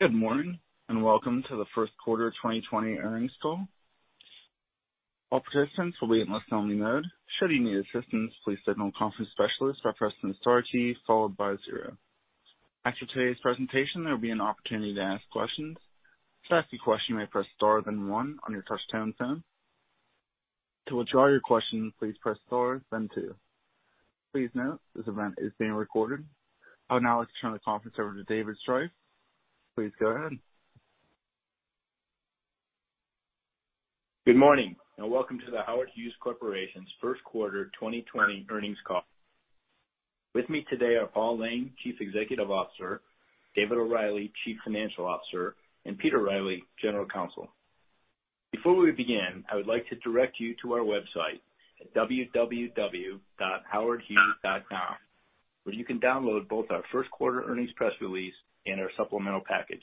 Good morning, and welcome to the first quarter 2020 earnings call. All participants will be in listen-only mode. Should you need assistance, please signal the conference specialist by pressing star key, followed by zero. After today's presentation, there will be an opportunity to ask questions. To ask a question, you may press star, then one on your touch-tone phone. To withdraw your question, please press star, then two. Please note, this event is being recorded. I would now like to turn the conference over to David Striph. Please go ahead. Good morning, and welcome to The Howard Hughes Corporation's first quarter 2020 earnings call. With me today are Paul Layne, Chief Executive Officer, David O'Reilly, Chief Financial Officer, and Peter Riley, General Counsel. Before we begin, I would like to direct you to our website at www.howardhughes.com, where you can download both our first quarter earnings press release and our supplemental package.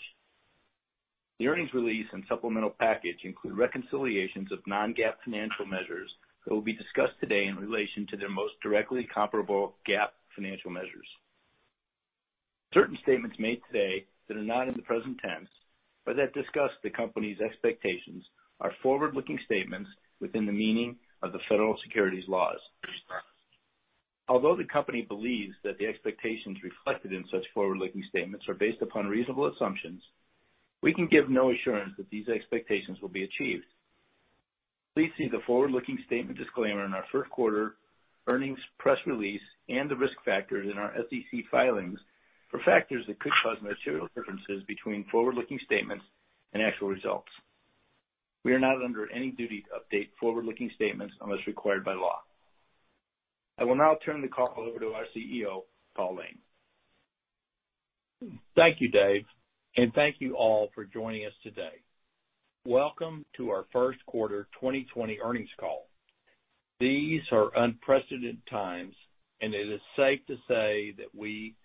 The earnings release and supplemental package include reconciliations of non-GAAP financial measures that will be discussed today in relation to their most directly comparable GAAP financial measures. Certain statements made today that are not in the present tense, but that discuss the company's expectations, are forward-looking statements within the meaning of the federal securities laws. Although the company believes that the expectations reflected in such forward-looking statements are based upon reasonable assumptions, we can give no assurance that these expectations will be achieved. Please see the forward-looking statement disclaimer in our first quarter earnings press release and the risk factors in our SEC filings for factors that could cause material differences between forward-looking statements and actual results. We are not under any duty to update forward-looking statements unless required by law. I will now turn the call over to our CEO, Paul Layne. Thank you, Dave, and thank you all for joining us today. Welcome to our first quarter 2020 earnings call. These are unprecedented times, and it is safe to say that we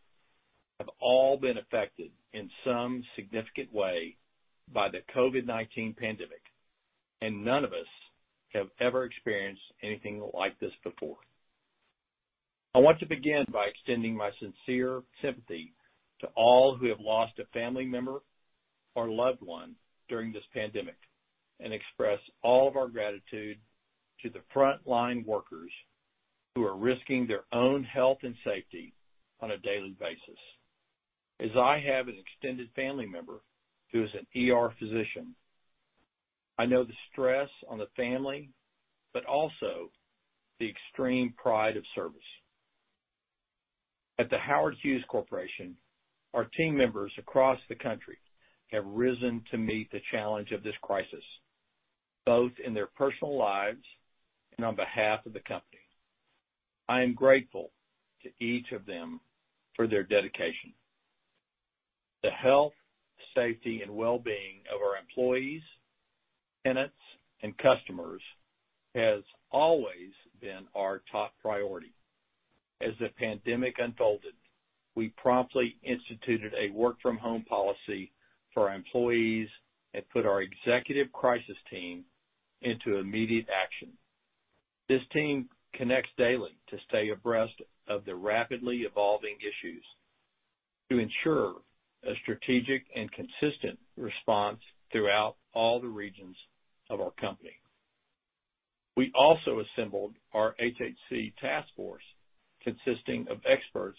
have all been affected in some significant way by the COVID-19 pandemic, and none of us have ever experienced anything like this before. I want to begin by extending my sincere sympathy to all who have lost a family member or loved one during this pandemic and express all of our gratitude to the frontline workers who are risking their own health and safety on a daily basis. As I have an extended family member who is an ER physician, I know the stress on the family, but also the extreme pride of service. At The Howard Hughes Corporation, our team members across the country have risen to meet the challenge of this crisis, both in their personal lives and on behalf of the company. I am grateful to each of them for their dedication. The health, safety, and wellbeing of our employees, tenants, and customers has always been our top priority. As the pandemic unfolded, we promptly instituted a work-from-home policy for our employees and put our executive crisis team into immediate action. This team connects daily to stay abreast of the rapidly evolving issues to ensure a strategic and consistent response throughout all the regions of our company. We also assembled our HHC task force, consisting of experts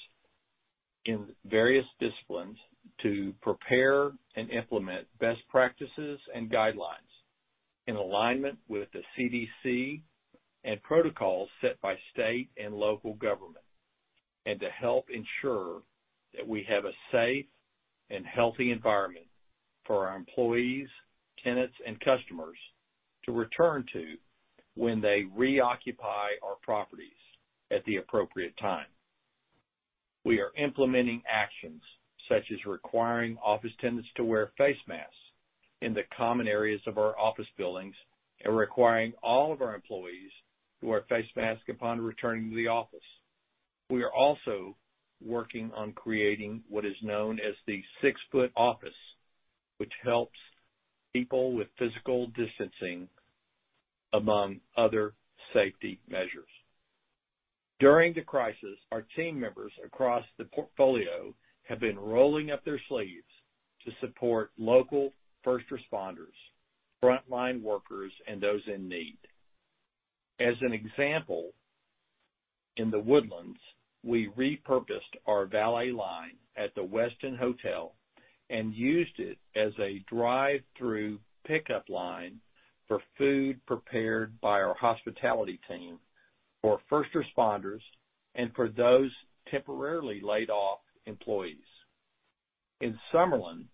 in various disciplines, to prepare and implement best practices and guidelines in alignment with the CDC and protocols set by state and local government, and to help ensure that we have a safe and healthy environment for our employees, tenants, and customers to return to when they reoccupy our properties at the appropriate time. We are implementing actions such as requiring office tenants to wear face masks in the common areas of our office buildings and requiring all of our employees to wear face masks upon returning to the office. We are also working on creating what is known as the six-foot office, which helps people with physical distancing, among other safety measures. During the crisis, our team members across the portfolio have been rolling up their sleeves to support local first responders, frontline workers, and those in need. As an example, in The Woodlands, we repurposed our valet line at the Westin Hotel and used it as a drive-through pickup line for food prepared by our hospitality team for first responders and for those temporarily laid-off employees. In Summerlin,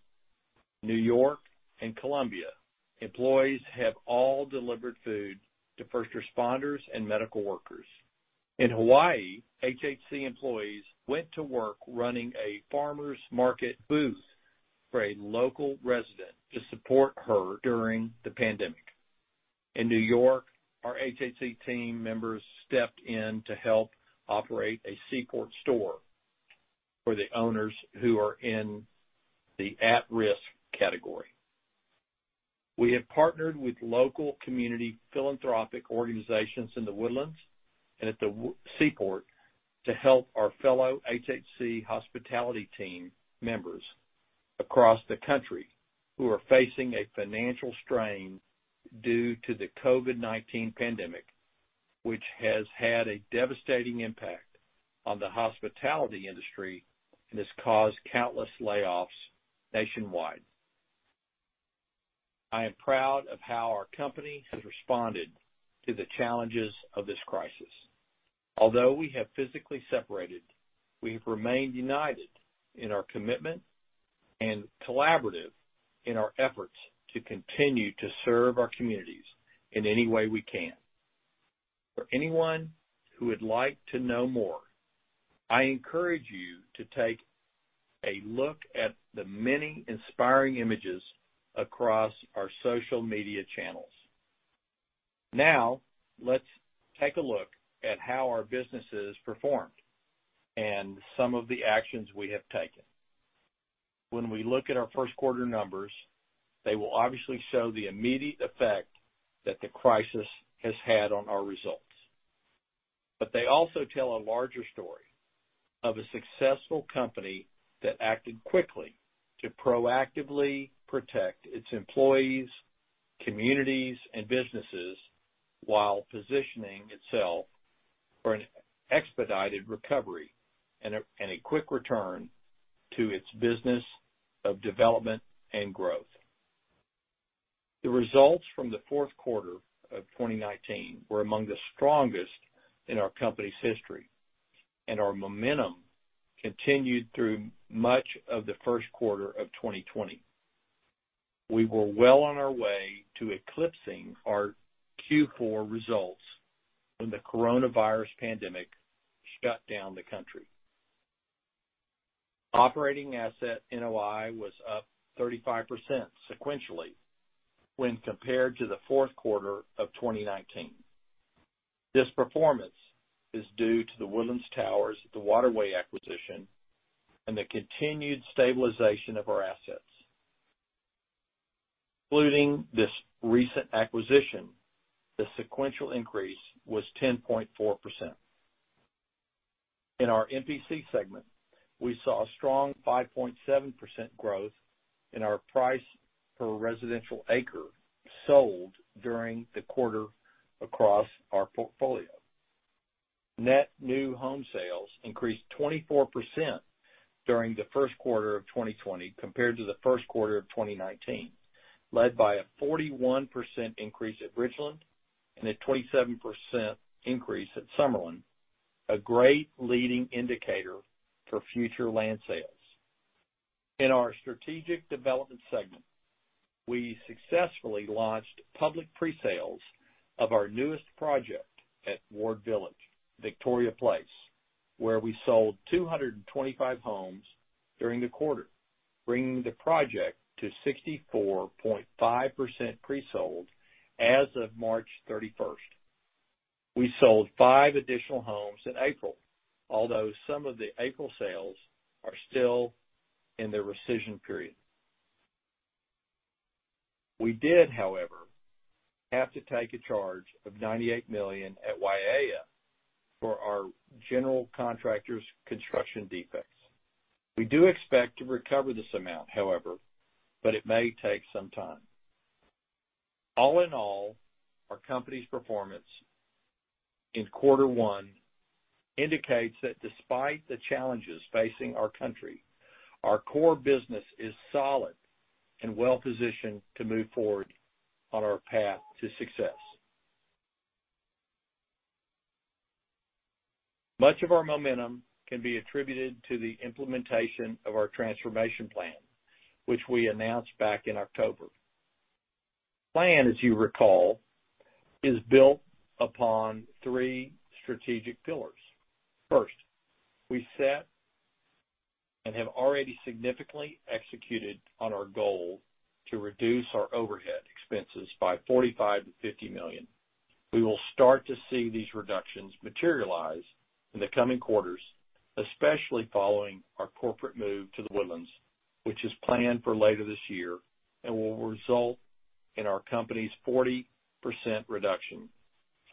New York, and Columbia, employees have all delivered food to first responders and medical workers. In Hawaii, HHC employees went to work running a farmers market booth for a local resident to support her during the pandemic. In New York, our HHC team members stepped in to help operate a Seaport store for the owners who are in the at-risk category. We have partnered with local community philanthropic organizations in The Woodlands and at the Seaport to help our fellow HHC Hospitality Team members across the country who are facing a financial strain due to the COVID-19 pandemic, which has had a devastating impact on the hospitality industry and has caused countless layoffs nationwide. I am proud of how our company has responded to the challenges of this crisis. Although we have physically separated, we have remained united in our commitment and collaborative in our efforts to continue to serve our communities in any way we can. For anyone who would like to know more, I encourage you to take a look at the many inspiring images across our social media channels. Now, let's take a look at how our businesses performed and some of the actions we have taken. When we look at our first quarter numbers, they will obviously show the immediate effect that the crisis has had on our results. They also tell a larger story of a successful company that acted quickly to proactively protect its employees, communities, and businesses while positioning itself for an expedited recovery and a quick return to its business of development and growth. The results from the fourth quarter of 2019 were among the strongest in our company's history, and our momentum continued through much of the first quarter of 2020. We were well on our way to eclipsing our Q4 results when the coronavirus pandemic shut down the country. Operating asset NOI was up 35% sequentially when compared to the fourth quarter of 2019. This performance is due to The Woodlands Towers, the Waterway acquisition, and the continued stabilization of our assets. Including this recent acquisition, the sequential increase was 10.4%. In our MPC segment, we saw a strong 5.7% growth in our price per residential acre sold during the quarter across our portfolio. Net new home sales increased 24% during the first quarter of 2020 compared to the first quarter of 2019, led by a 41% increase at Bridgeland and a 27% increase at Summerlin, a great leading indicator for future land sales. In our strategic development segment, we successfully launched public pre-sales of our newest project at Ward Village, Victoria Place, where we sold 225 homes during the quarter, bringing the project to 64.5% pre-sold as of March 31st. We sold five additional homes in April, although some of the April sales are still in their rescission period. We did, however, have to take a charge of $98 million at Waiea for our general contractor's construction defects. We do expect to recover this amount, however, but it may take some time. All in all, our company's performance in quarter one indicates that despite the challenges facing our country, our core business is solid and well-positioned to move forward on our path to success. Much of our momentum can be attributed to the implementation of our transformation plan, which we announced back in October. The plan, as you recall, is built upon three strategic pillars. First, we set and have already significantly executed on our goal to reduce our overhead expenses by $45 million-$50 million. We will start to see these reductions materialize in the coming quarters, especially following our corporate move to The Woodlands, which is planned for later this year and will result in our company's 40% reduction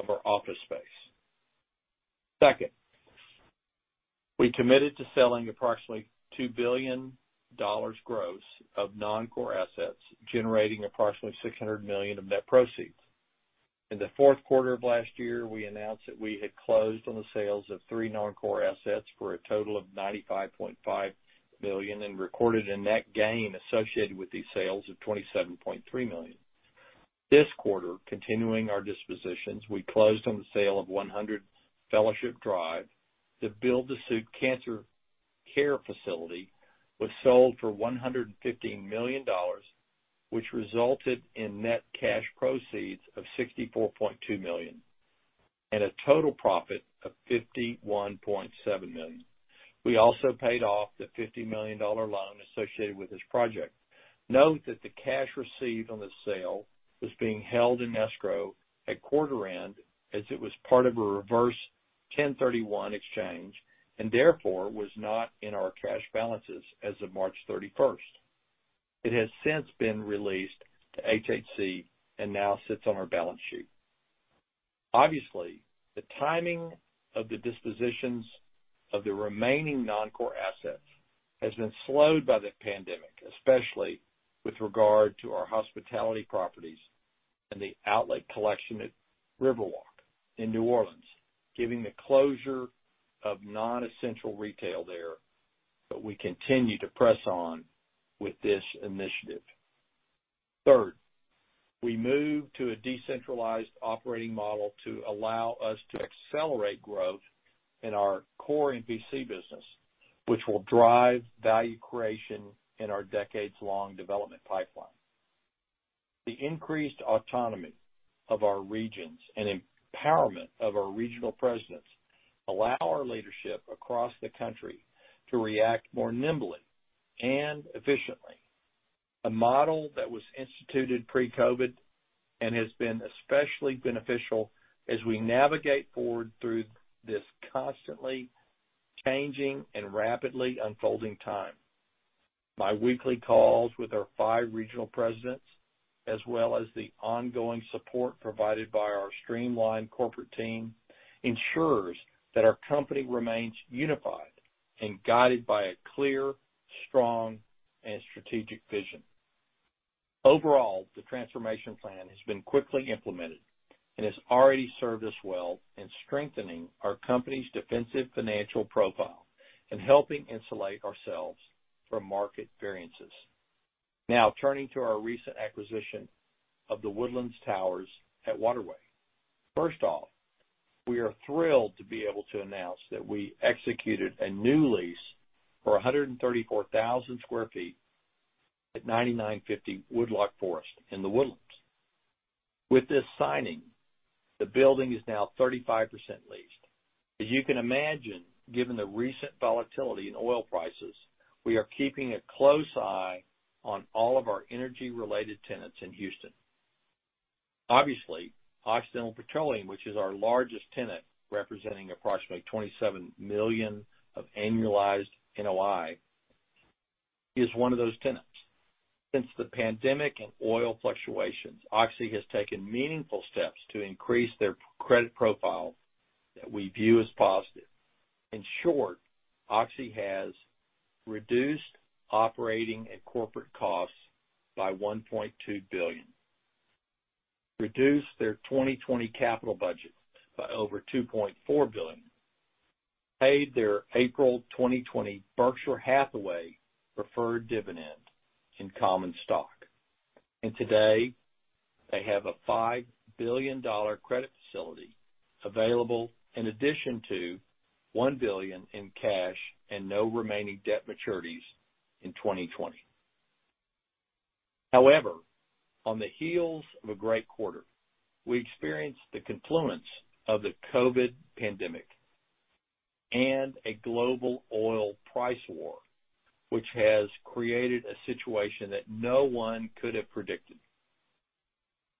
of our office space. Second, we committed to selling approximately $2 billion gross of non-core assets, generating approximately $600 million of net proceeds. In the fourth quarter of last year, we announced that we had closed on the sales of three non-core assets for a total of $95.5 million and recorded a net gain associated with these sales of $27.3 million. This quarter, continuing our dispositions, we closed on the sale of 100 Fellowship Drive. The build-to-suit cancer care facility was sold for $115 million, which resulted in net cash proceeds of $64.2 million and a total profit of $51.7 million. We also paid off the $50 million loan associated with this project. Note that the cash received on the sale was being held in escrow at quarter end as it was part of a reverse-1031 exchange, and therefore, was not in our cash balances as of March 31st. It has since been released to HHC and now sits on our balance sheet. Obviously, the timing of the dispositions of the remaining non-core assets has been slowed by the pandemic, especially with regard to our hospitality properties and The Outlet Collection at Riverwalk in New Orleans, giving the closure of non-essential retail there, but we continue to press on with this initiative. Third, we move to a decentralized operating model to allow us to accelerate growth in our core MPC business, which will drive value creation in our decades-long development pipeline. The increased autonomy of our regions and empowerment of our regional presidents allow our leadership across the country to react more nimbly and efficiently. A model that was instituted pre-COVID and has been especially beneficial as we navigate forward through this constantly changing and rapidly unfolding time. My weekly calls with our five regional presidents, as well as the ongoing support provided by our streamlined corporate team, ensures that our company remains unified and guided by a clear, strong and strategic vision. Overall, the transformation plan has been quickly implemented and has already served us well in strengthening our company's defensive financial profile in helping insulate ourselves from market variances. Turning to our recent acquisition of The Woodlands Towers at Waterway. First off, we are thrilled to be able to announce that we executed a new lease for 134,000 sq ft at 9950 Woodloch Forest in The Woodlands. With this signing, the building is now 35% leased. As you can imagine, given the recent volatility in oil prices, we are keeping a close eye on all of our energy-related tenants in Houston. Obviously, Occidental Petroleum, which is our largest tenant, representing approximately $27 million of annualized NOI, is one of those tenants. Since the pandemic and oil fluctuations, Oxy has taken meaningful steps to increase their credit profile that we view as positive. In short, Oxy has reduced operating and corporate costs by $1.2 billion, reduced their 2020 capital budget by over $2.4 billion, paid their April 2020 Berkshire Hathaway preferred dividend in common stock. Today, they have a $5 billion credit facility available in addition to $1 billion in cash and no remaining debt maturities in 2020. However, on the heels of a great quarter, we experienced the confluence of the COVID-19 pandemic and a global oil price war, which has created a situation that no one could have predicted.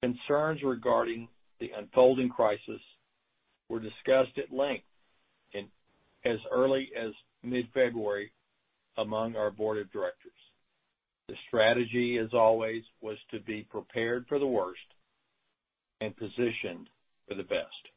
Concerns regarding the unfolding crisis were discussed at length in as early as mid-February among our board of directors. The strategy, as always, was to be prepared for the worst and positioned for the best.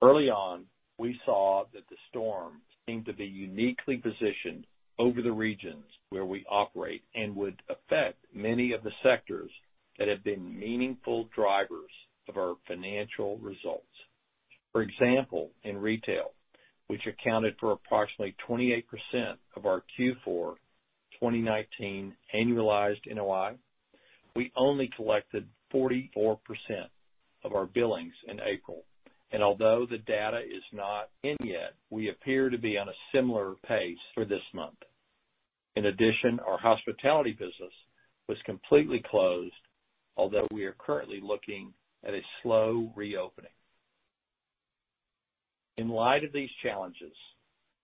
Early on, we saw that the storm seemed to be uniquely positioned over the regions where we operate and would affect many of the sectors that have been meaningful drivers of our financial results. For example, in retail, which accounted for approximately 28% of our Q4 2019 annualized NOI, we only collected 44% of our billings in April. Although the data is not in yet, we appear to be on a similar pace for this month. In addition, our hospitality business was completely closed, although we are currently looking at a slow reopening. In light of these challenges,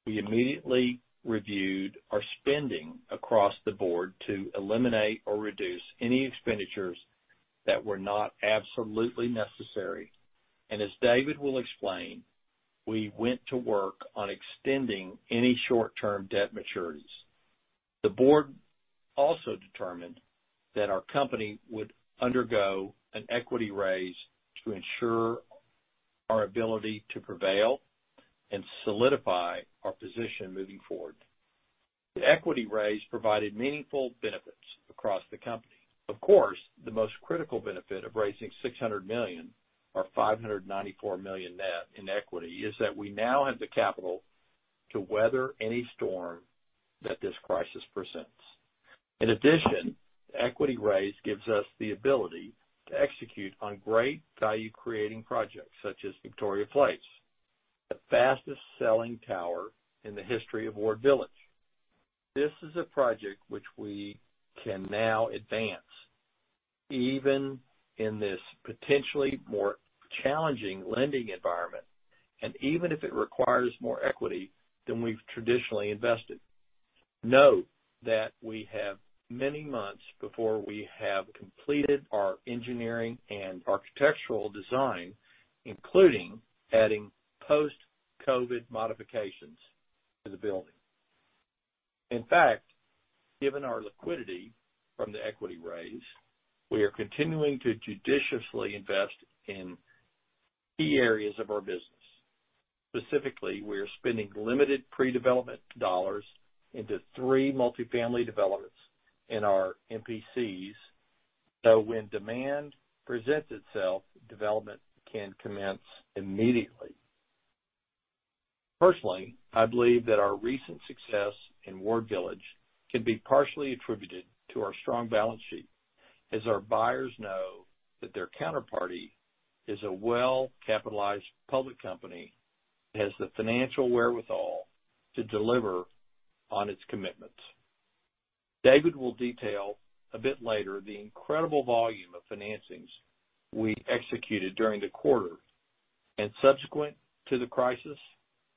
we immediately reviewed our spending across the board to eliminate or reduce any expenditures that were not absolutely necessary. As David will explain, we went to work on extending any short-term debt maturities. The board also determined that our company would undergo an equity raise to ensure our ability to prevail and solidify our position moving forward. The equity raise provided meaningful benefits across the company. Of course, the most critical benefit of raising $600 million or $594 million net in equity is that we now have the capital to weather any storm that this crisis presents. In addition, the equity raise gives us the ability to execute on great value-creating projects, such as Victoria Place, the fastest-selling tower in the history of Ward Village. This is a project which we can now advance, even in this potentially more challenging lending environment, and even if it requires more equity than we've traditionally invested. Note that we have many months before we have completed our engineering and architectural design, including adding post-COVID-19 modifications to the building. In fact, given our liquidity from the equity raise, we are continuing to judiciously invest in key areas of our business. Specifically, we are spending limited pre-development dollars into three multifamily developments in our MPCs, so when demand presents itself, development can commence immediately. Personally, I believe that our recent success in Ward Village can be partially attributed to our strong balance sheet, as our buyers know that their counterparty is a well-capitalized public company that has the financial wherewithal to deliver on its commitments. David will detail a bit later the incredible volume of financings we executed during the quarter and subsequent to the crisis,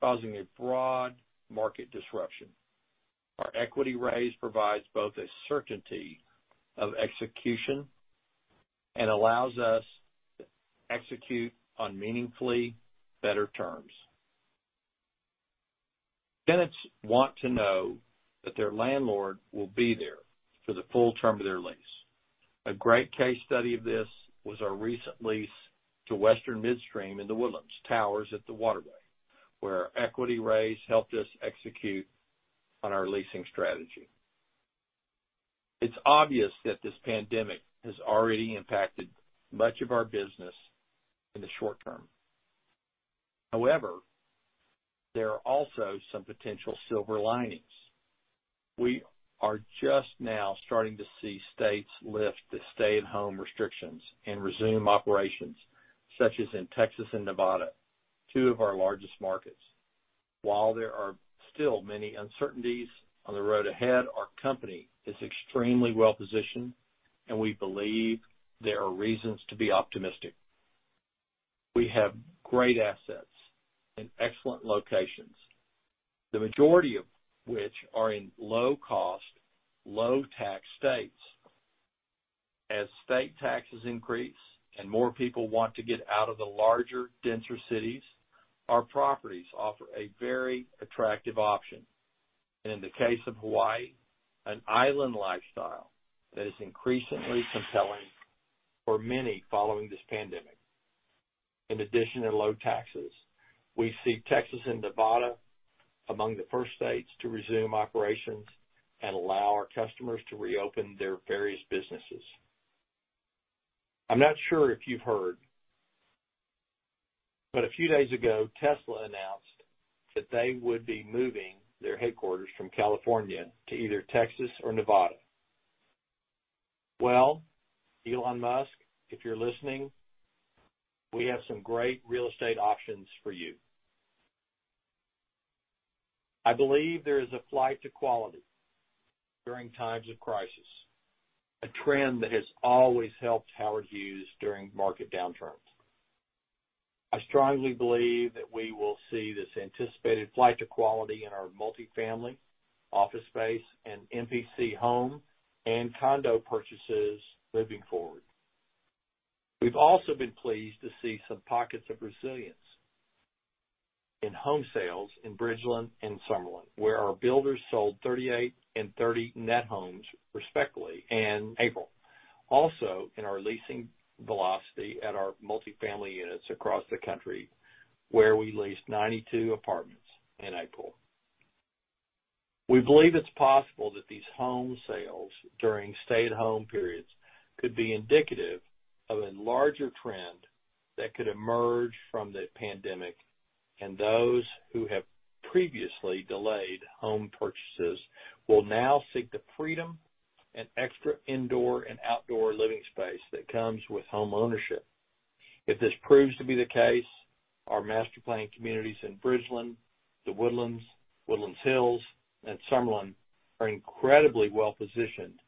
causing a broad market disruption. Our equity raise provides both a certainty of execution and allows us to execute on meaningfully better terms. Tenants want to know that their landlord will be there for the full term of their lease. A great case study of this was our recent lease to Western Midstream in The Woodlands Towers at the Waterway, where our equity raise helped us execute on our leasing strategy. It's obvious that this pandemic has already impacted much of our business in the short term. However, there are also some potential silver linings. We are just now starting to see states lift the stay-at-home restrictions and resume operations, such as in Texas and Nevada, two of our largest markets. While there are still many uncertainties on the road ahead, our company is extremely well-positioned, and we believe there are reasons to be optimistic. We have great assets in excellent locations, the majority of which are in low-cost, low-tax states. As state taxes increase and more people want to get out of the larger, denser cities, our properties offer a very attractive option. In the case of Hawaii, an island lifestyle that is increasingly compelling for many following this pandemic. In addition to low taxes, we see Texas and Nevada among the first states to resume operations and allow our customers to reopen their various businesses. I'm not sure if you've heard, a few days ago, Tesla announced that they would be moving their headquarters from California to either Texas or Nevada. Elon Musk, if you're listening, we have some great real estate options for you. I believe there is a flight to quality during times of crisis, a trend that has always helped Howard Hughes during market downturns. I strongly believe that we will see this anticipated flight to quality in our multifamily, office space, and MPC home and condo purchases moving forward. We've also been pleased to see some pockets of resilience in home sales in Bridgeland and Summerlin, where our builders sold 38 and 30 net homes, respectively, in April, and in our leasing velocity at our multifamily units across the country, where we leased 92 apartments in April. We believe it's possible that these home sales during stay-at-home periods could be indicative of a larger trend that could emerge from the pandemic, and those who have previously delayed home purchases will now seek the freedom and extra indoor and outdoor living space that comes with homeownership. If this proves to be the case, our master-planned communities in Bridgeland, The Woodlands, The Woodlands Hills, and Summerlin are incredibly well-positioned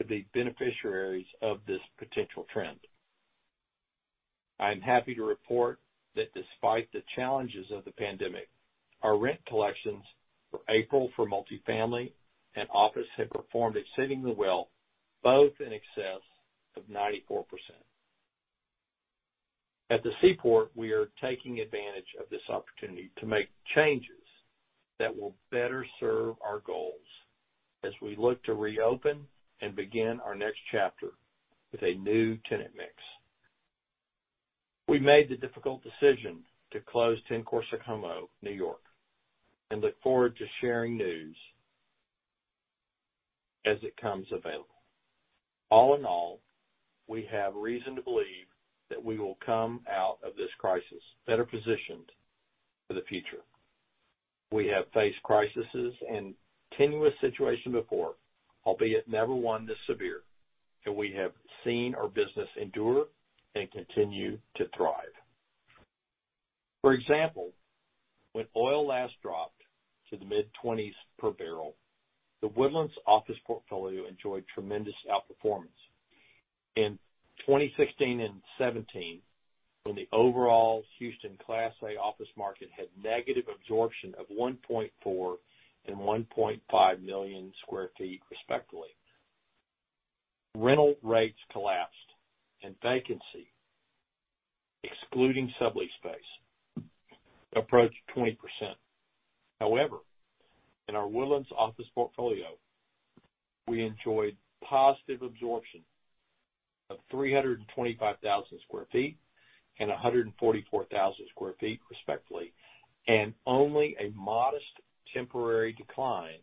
to be beneficiaries of this potential trend. I am happy to report that despite the challenges of the pandemic, our rent collections for April for multifamily and office have performed exceedingly well, both in excess of 94%. At the Seaport, we are taking advantage of this opportunity to make changes that will better serve our goals as we look to reopen and begin our next chapter with a new tenant mix. We made the difficult decision to close 10 Corso Como, New York, and look forward to sharing news as it comes available. All in all, we have reason to believe that we will come out of this crisis better positioned for the future. We have faced crises and tenuous situations before, albeit never one this severe, and we have seen our business endure and continue to thrive. For example, when oil last dropped to the mid-$20s per barrel, The Woodlands office portfolio enjoyed tremendous outperformance. In 2016 and 2017, when the overall Houston Class A office market had negative absorption of 1.4 million sq ft and 1.5 million sq ft respectively. Rental rates collapsed and vacancy, excluding sublease space, approached 20%. In our Woodlands office portfolio, we enjoyed positive absorption of 325,000 sq ft and 144,000 sq ft respectively, and only a modest temporary decline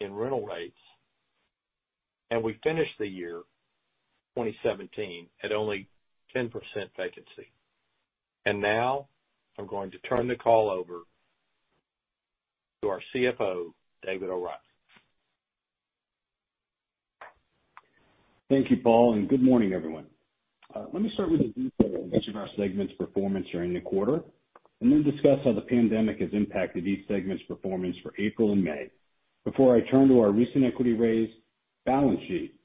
in rental rates. We finished the year 2017 at only 10% vacancy. Now I'm going to turn the call over to our CFO, David O'Reilly. Thank you, Paul, and good morning, everyone. Let me start with a detail of each of our segments' performance during the quarter and then discuss how the pandemic has impacted each segment's performance for April and May before I turn to our recent equity raise, balance sheet,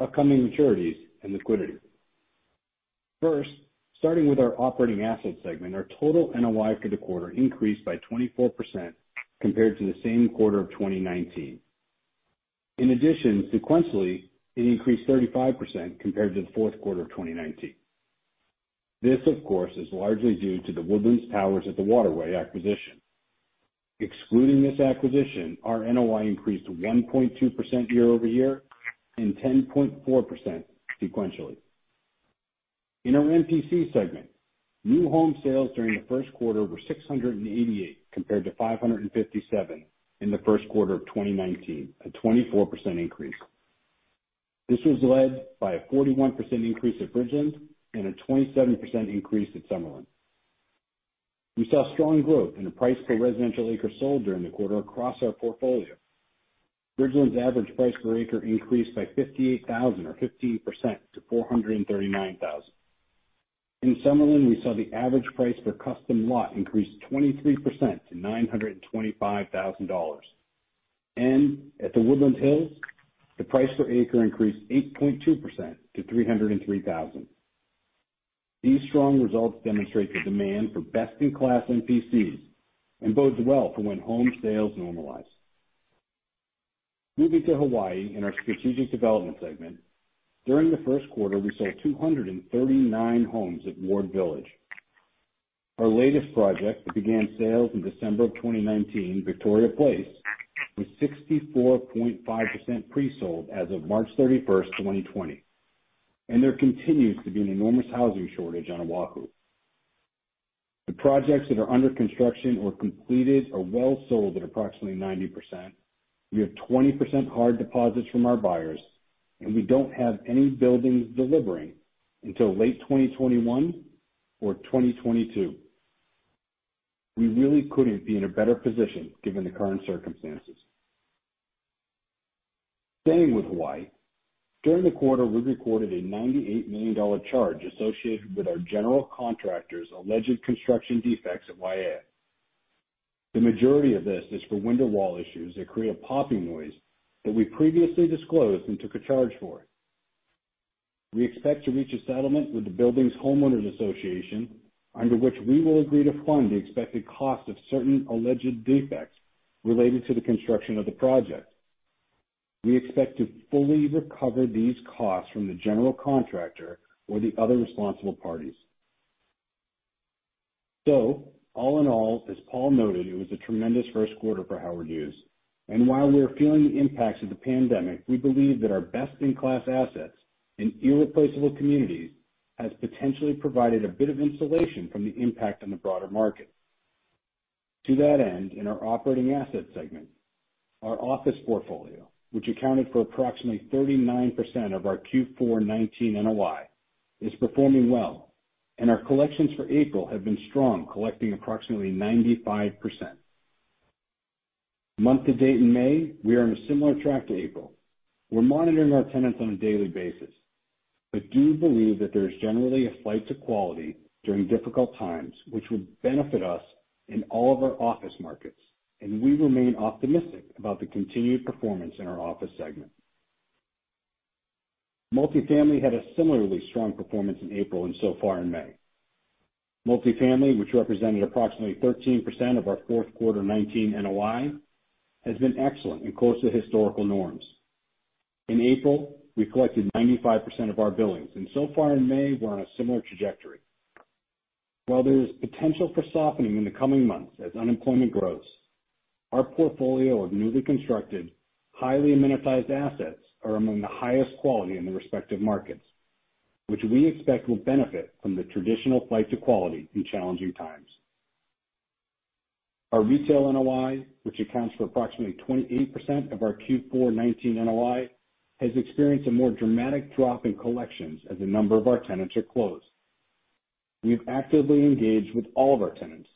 upcoming maturities, and liquidity. First, starting with our operating asset segment, our total NOI for the quarter increased by 24% compared to the same quarter of 2019. In addition, sequentially, it increased 35% compared to the fourth quarter of 2019. This, of course, is largely due to The Woodlands Towers at the Waterway acquisition. Excluding this acquisition, our NOI increased 1.2% year-over-year and 10.4% sequentially. In our MPC segment, new home sales during the first quarter were 688 compared to 557 in the first quarter of 2019, a 24% increase. This was led by a 41% increase at Bridgeland and a 27% increase at Summerlin. We saw strong growth in the price per residential acre sold during the quarter across our portfolio. Bridgeland's average price per acre increased by $58,000 or 15% to $439,000. In Summerlin, we saw the average price per custom lot increase 23% to $925,000. At The Woodlands Hills, the price per acre increased 8.2% to $303,000. These strong results demonstrate the demand for best-in-class MPCs and bodes well for when home sales normalize. Moving to Hawaii in our strategic development segment. During the first quarter, we sold 239 homes at Ward Village. Our latest project that began sales in December of 2019, Victoria Place, was 64.5% pre-sold as of March 31st, 2020, and there continues to be an enormous housing shortage on Oahu. The projects that are under construction or completed are well sold at approximately 90%. We have 20% hard deposits from our buyers, we don't have any buildings delivering until late 2021 or 2022. We really couldn't be in a better position given the current circumstances. Staying with Hawaii. During the quarter, we recorded a $98 million charge associated with our general contractor's alleged construction defects at Waiea. The majority of this is for window wall issues that create a popping noise that we previously disclosed and took a charge for. We expect to reach a settlement with the building's homeowners association, under which we will agree to fund the expected cost of certain alleged defects related to the construction of the project. We expect to fully recover these costs from the general contractor or the other responsible parties. All in all, as Paul noted, it was a tremendous first quarter for Howard Hughes. While we are feeling the impacts of the pandemic, we believe that our best-in-class assets and irreplaceable communities has potentially provided a bit of insulation from the impact on the broader market. To that end, in our operating asset segment, our office portfolio, which accounted for approximately 39% of our Q4 2019 NOI, is performing well, and our collections for April have been strong, collecting approximately 95%. Month-to-date in May, we are on a similar track to April. We're monitoring our tenants on a daily basis but do believe that there's generally a flight to quality during difficult times, which would benefit us in all of our office markets, and we remain optimistic about the continued performance in our office segment. Multifamily had a similarly strong performance in April and so far in May. Multifamily, which represented approximately 13% of our fourth quarter 2019 NOI, has been excellent and close to historical norms. In April, we collected 95% of our billings, and so far in May, we're on a similar trajectory. While there is potential for softening in the coming months as unemployment grows, our portfolio of newly constructed, highly amenitized assets are among the highest quality in the respective markets, which we expect will benefit from the traditional flight to quality in challenging times. Our retail NOI, which accounts for approximately 28% of our Q4 2019 NOI, has experienced a more dramatic drop in collections as a number of our tenants are closed. We've actively engaged with all of our tenants,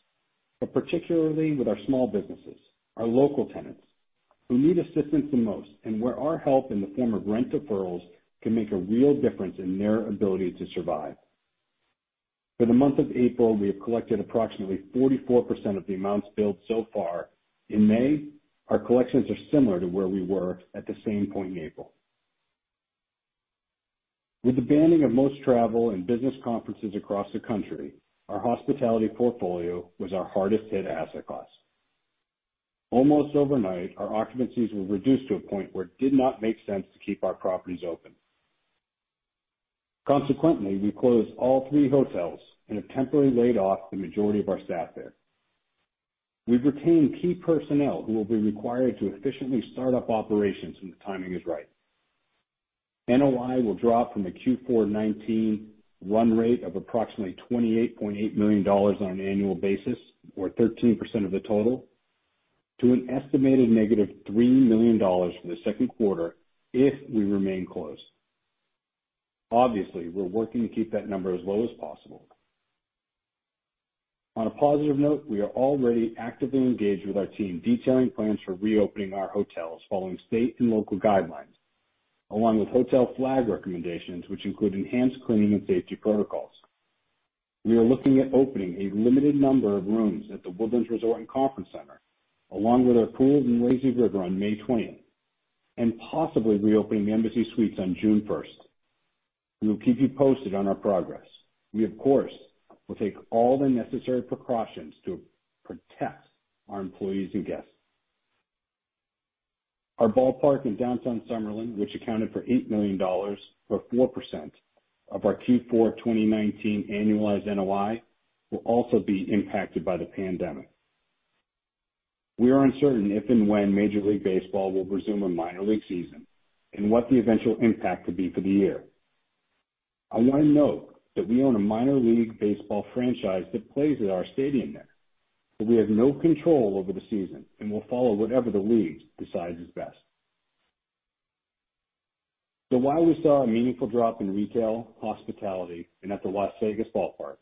but particularly with our small businesses, our local tenants who need assistance the most, and where our help in the form of rent deferrals can make a real difference in their ability to survive. For the month of April, we have collected approximately 44% of the amounts billed so far. In May, our collections are similar to where we were at the same point in April. With the banning of most travel and business conferences across the country, our hospitality portfolio was our hardest hit asset class. Almost overnight, our occupancies were reduced to a point where it did not make sense to keep our properties open. Consequently, we closed all three hotels and have temporarily laid off the majority of our staff there. We've retained key personnel who will be required to efficiently startup operations when the timing is right. NOI will drop from the Q4 2019 run rate of approximately $28.8 million on an annual basis, or 13% of the total, to an estimated -$3 million for the second quarter if we remain closed. Obviously, we're working to keep that number as low as possible. On a positive note, we are already actively engaged with our team detailing plans for reopening our hotels following state and local guidelines, along with hotel flag recommendations, which include enhanced cleaning and safety protocols. We are looking at opening a limited number of rooms at The Woodlands Resort and Conference Center, along with our pools and lazy river on May 20th, and possibly reopening the Embassy Suites on June 1st. We will keep you posted on our progress. We, of course, will take all the necessary precautions to protect our employees and guests. Our ballpark in Downtown Summerlin, which accounted for $8 million, or 4%, of our Q4 2019 annualized NOI, will also be impacted by the pandemic. We are uncertain if and when Major League Baseball will resume a minor league season, and what the eventual impact would be for the year. I want to note that we own a minor league baseball franchise that plays at our stadium there, but we have no control over the season and will follow whatever the league decides is best. While we saw a meaningful drop in retail, hospitality, and at the Las Vegas Ballpark,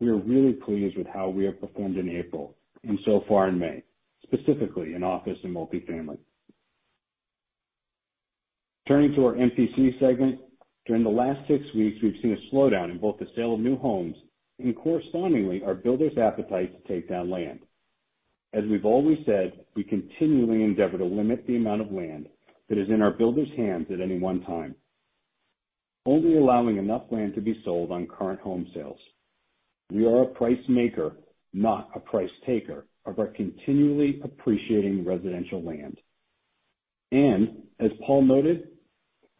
we are really pleased with how we have performed in April and so far in May, specifically in office and multifamily. Turning to our MPC segment, during the last six weeks, we've seen a slowdown in both the sale of new homes and correspondingly, our builders' appetite to take down land. As we've always said, we continually endeavor to limit the amount of land that is in our builders' hands at any one time, only allowing enough land to be sold on current home sales. We are a price maker, not a price taker, of our continually appreciating residential land. As Paul noted,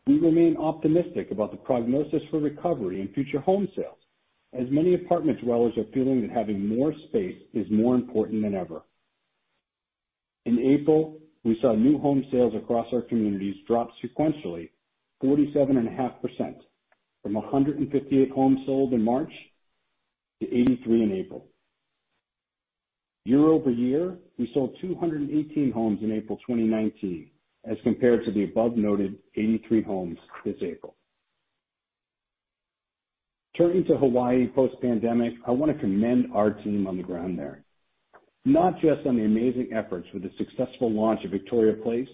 we remain optimistic about the prognosis for recovery in future home sales, as many apartment dwellers are feeling that having more space is more important than ever. In April, we saw new home sales across our communities drop sequentially 47.5% from 158 homes sold in March to 83 in April. Year-over-year, we sold 218 homes in April 2019 as compared to the above noted 83 homes this April. Turning to Hawaii post-pandemic, I want to commend our team on the ground there, not just on the amazing efforts with the successful launch of Victoria Place,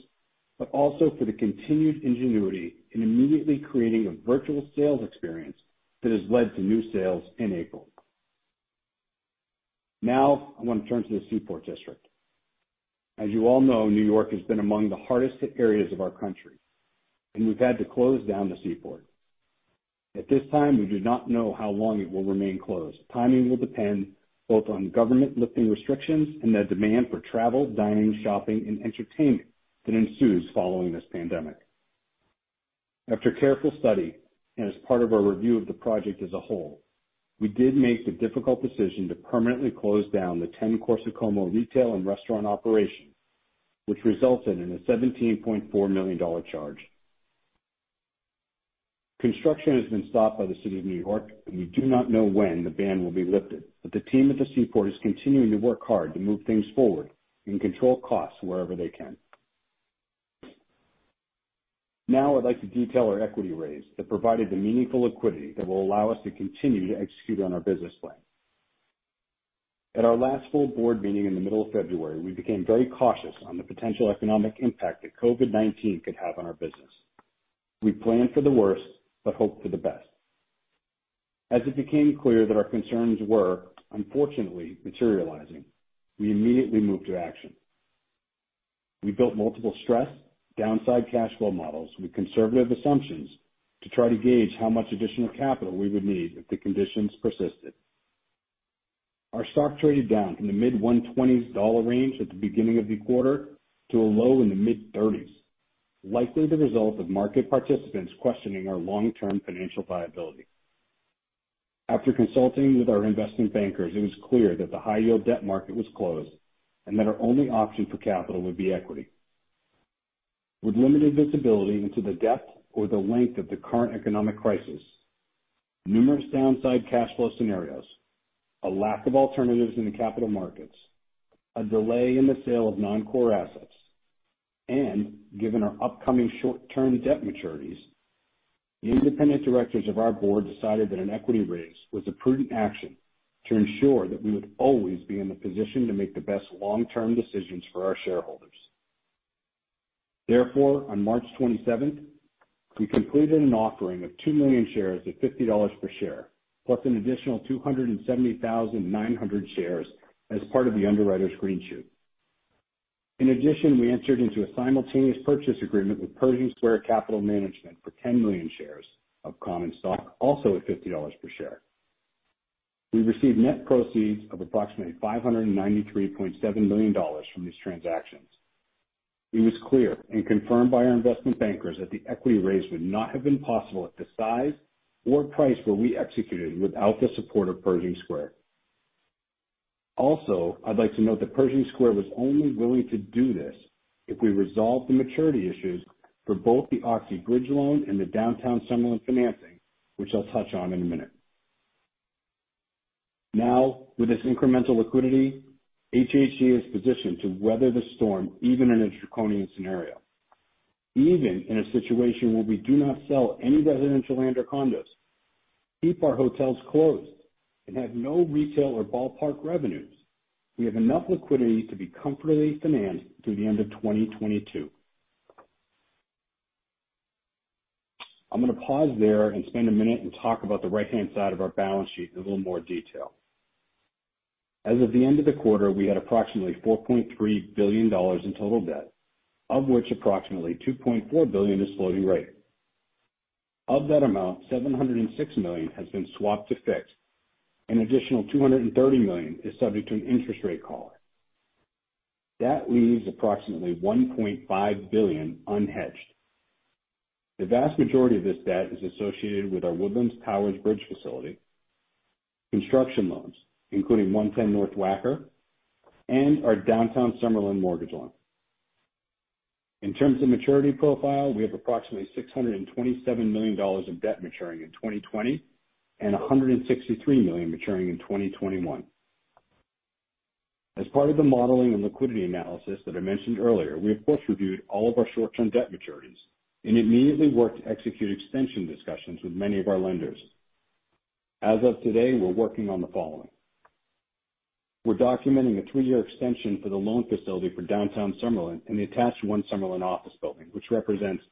but also for the continued ingenuity in immediately creating a virtual sales experience that has led to new sales in April. I want to turn to the Seaport District. As you all know, New York has been among the hardest hit areas of our country, and we've had to close down the Seaport. At this time, we do not know how long it will remain closed. Timing will depend both on government lifting restrictions and the demand for travel, dining, shopping, and entertainment that ensues following this pandemic. After careful study, and as part of our review of the project as a whole, we did make the difficult decision to permanently close down the 10 Corso Como retail and restaurant operation, which resulted in a $17.4 million charge. Construction has been stopped by the City of New York. We do not know when the ban will be lifted. The team at the Seaport is continuing to work hard to move things forward and control costs wherever they can. Now I'd like to detail our equity raise that provided the meaningful liquidity that will allow us to continue to execute on our business plan. At our last full board meeting in the middle of February, we became very cautious on the potential economic impact that COVID-19 could have on our business. We planned for the worst but hoped for the best. As it became clear that our concerns were, unfortunately, materializing, we immediately moved to action. We built multiple stress downside cash flow models with conservative assumptions to try to gauge how much additional capital we would need if the conditions persisted. Our stock traded down from the mid $120 range at the beginning of the quarter to a low in the mid $30s, likely the result of market participants questioning our long-term financial viability. After consulting with our investment bankers, it was clear that the high yield debt market was closed and that our only option for capital would be equity. With limited visibility into the depth or the length of the current economic crisis, numerous downside cash flow scenarios, a lack of alternatives in the capital markets, a delay in the sale of non-core assets, and given our upcoming short-term debt maturities, the independent directors of our board decided that an equity raise was a prudent action to ensure that we would always be in the position to make the best long-term decisions for our shareholders. Therefore, on March 27th, we completed an offering of 2 million shares at $50 per share, plus an additional 270,900 shares as part of the underwriter's greenshoe. In addition, we entered into a simultaneous purchase agreement with Pershing Square Capital Management for 10 million shares of common stock, also at $50 per share. We received net proceeds of approximately $593.7 million from these transactions. It was clear and confirmed by our investment bankers that the equity raise would not have been possible at the size or price where we executed without the support of Pershing Square. I'd like to note that Pershing Square was only willing to do this if we resolved the maturity issues for both the Oxy bridge loan and the Downtown Summerlin financing, which I'll touch on in a minute. With this incremental liquidity, HHC is positioned to weather the storm, even in a draconian scenario. Even in a situation where we do not sell any residential land or condos, keep our hotels closed, and have no retail or ballpark revenues, we have enough liquidity to be comfortably financed through the end of 2022. I'm going to pause there and spend a minute and talk about the right-hand side of our balance sheet in a little more detail. As of the end of the quarter, we had approximately $4.3 billion in total debt, of which approximately $2.4 billion is floating rate. Of that amount, $706 million has been swapped to fixed. An additional $230 million is subject to an interest rate call. That leaves approximately $1.5 billion unhedged. The vast majority of this debt is associated with our Woodlands Towers Bridge facility, construction loans, including 110 North Wacker, and our Downtown Summerlin mortgage loan. In terms of maturity profile, we have approximately $627 million of debt maturing in 2020 and $163 million maturing in 2021. As part of the modeling and liquidity analysis that I mentioned earlier, we of course reviewed all of our short-term debt maturities and immediately worked to execute extension discussions with many of our lenders. As of today, we are working on the following. We're documenting a three-year extension for the loan facility for Downtown Summerlin and the attached One Summerlin office building, which represents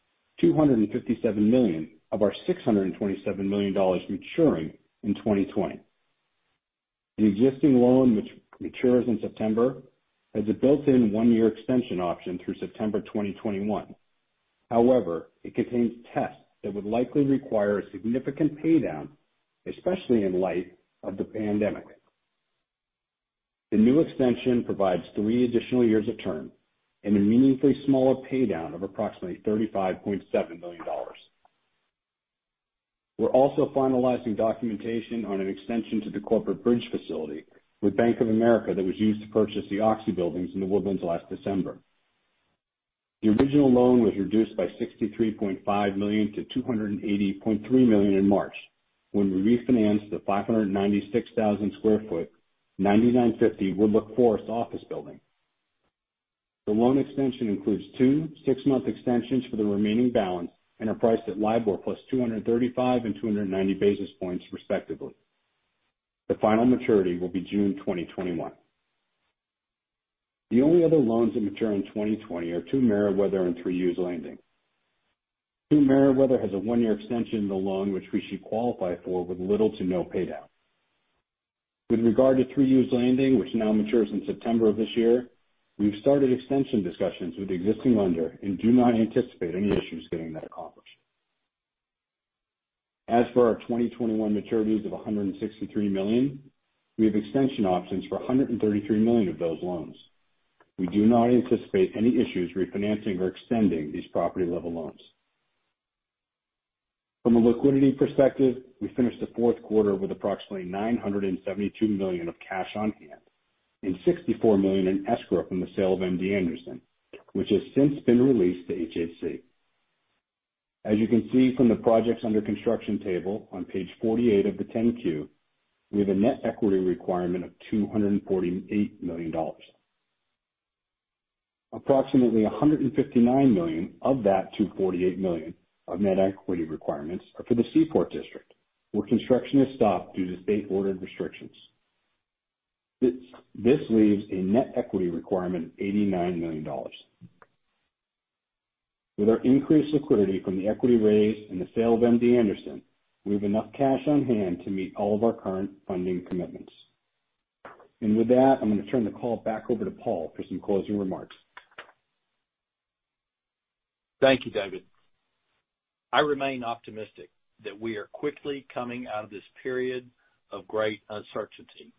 $257 million of our $627 million maturing in 2020. The existing loan, which matures in September, has a built-in one-year extension option through September 2021. It contains tests that would likely require a significant paydown, especially in light of the pandemic. The new extension provides three additional years of term and a meaningfully smaller paydown of approximately $35.7 million. We're also finalizing documentation on an extension to the corporate bridge facility with Bank of America that was used to purchase the Oxy buildings in The Woodlands last December. The original loan was reduced by $63.5 million-$280.3 million in March when we refinanced the 596,000 sq ft 9950 Woodloch Forest office building. The loan extension includes two six-month extensions for the remaining balance and are priced at LIBOR + 235 and 290 basis points, respectively. The final maturity will be June 2021. The only other loans that mature in 2020 are Two Merriweather and Three Hughes Landing. Two Merriweather has a one-year extension of the loan which we should qualify for with little to no paydown. With regard to Three Hughes Landing, which now matures in September of this year, we've started extension discussions with the existing lender and do not anticipate any issues getting that accomplished. As for our 2021 maturities of $163 million, we have extension options for $133 million of those loans. We do not anticipate any issues refinancing or extending these property-level loans. From a liquidity perspective, we finished the fourth quarter with approximately $972 million of cash on hand and $64 million in escrow from the sale of MD Anderson, which has since been released to HHC. As you can see from the projects under construction table on page 48 of the 10-Q, we have a net equity requirement of $248 million. Approximately $159 million of that $248 million of net equity requirements are for the Seaport District, where construction is stopped due to state-ordered restrictions. This leaves a net equity requirement of $89 million. With our increased liquidity from the equity raise and the sale of MD Anderson, we have enough cash on hand to meet all of our current funding commitments. With that, I'm going to turn the call back over to Paul for some closing remarks. Thank you, David. I remain optimistic that we are quickly coming out of this period of great uncertainty.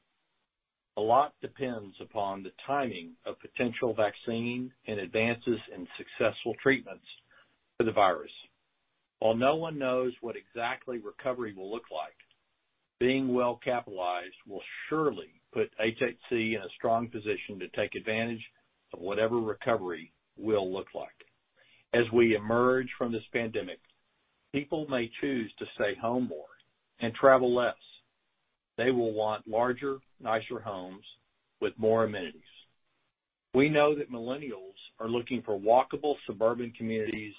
A lot depends upon the timing of potential vaccine and advances in successful treatments for the virus. While no one knows what exactly recovery will look like, being well-capitalized will surely put HHC in a strong position to take advantage of whatever recovery will look like. As we emerge from this pandemic, people may choose to stay home more and travel less. They will want larger, nicer homes with more amenities. We know that millennials are looking for walkable suburban communities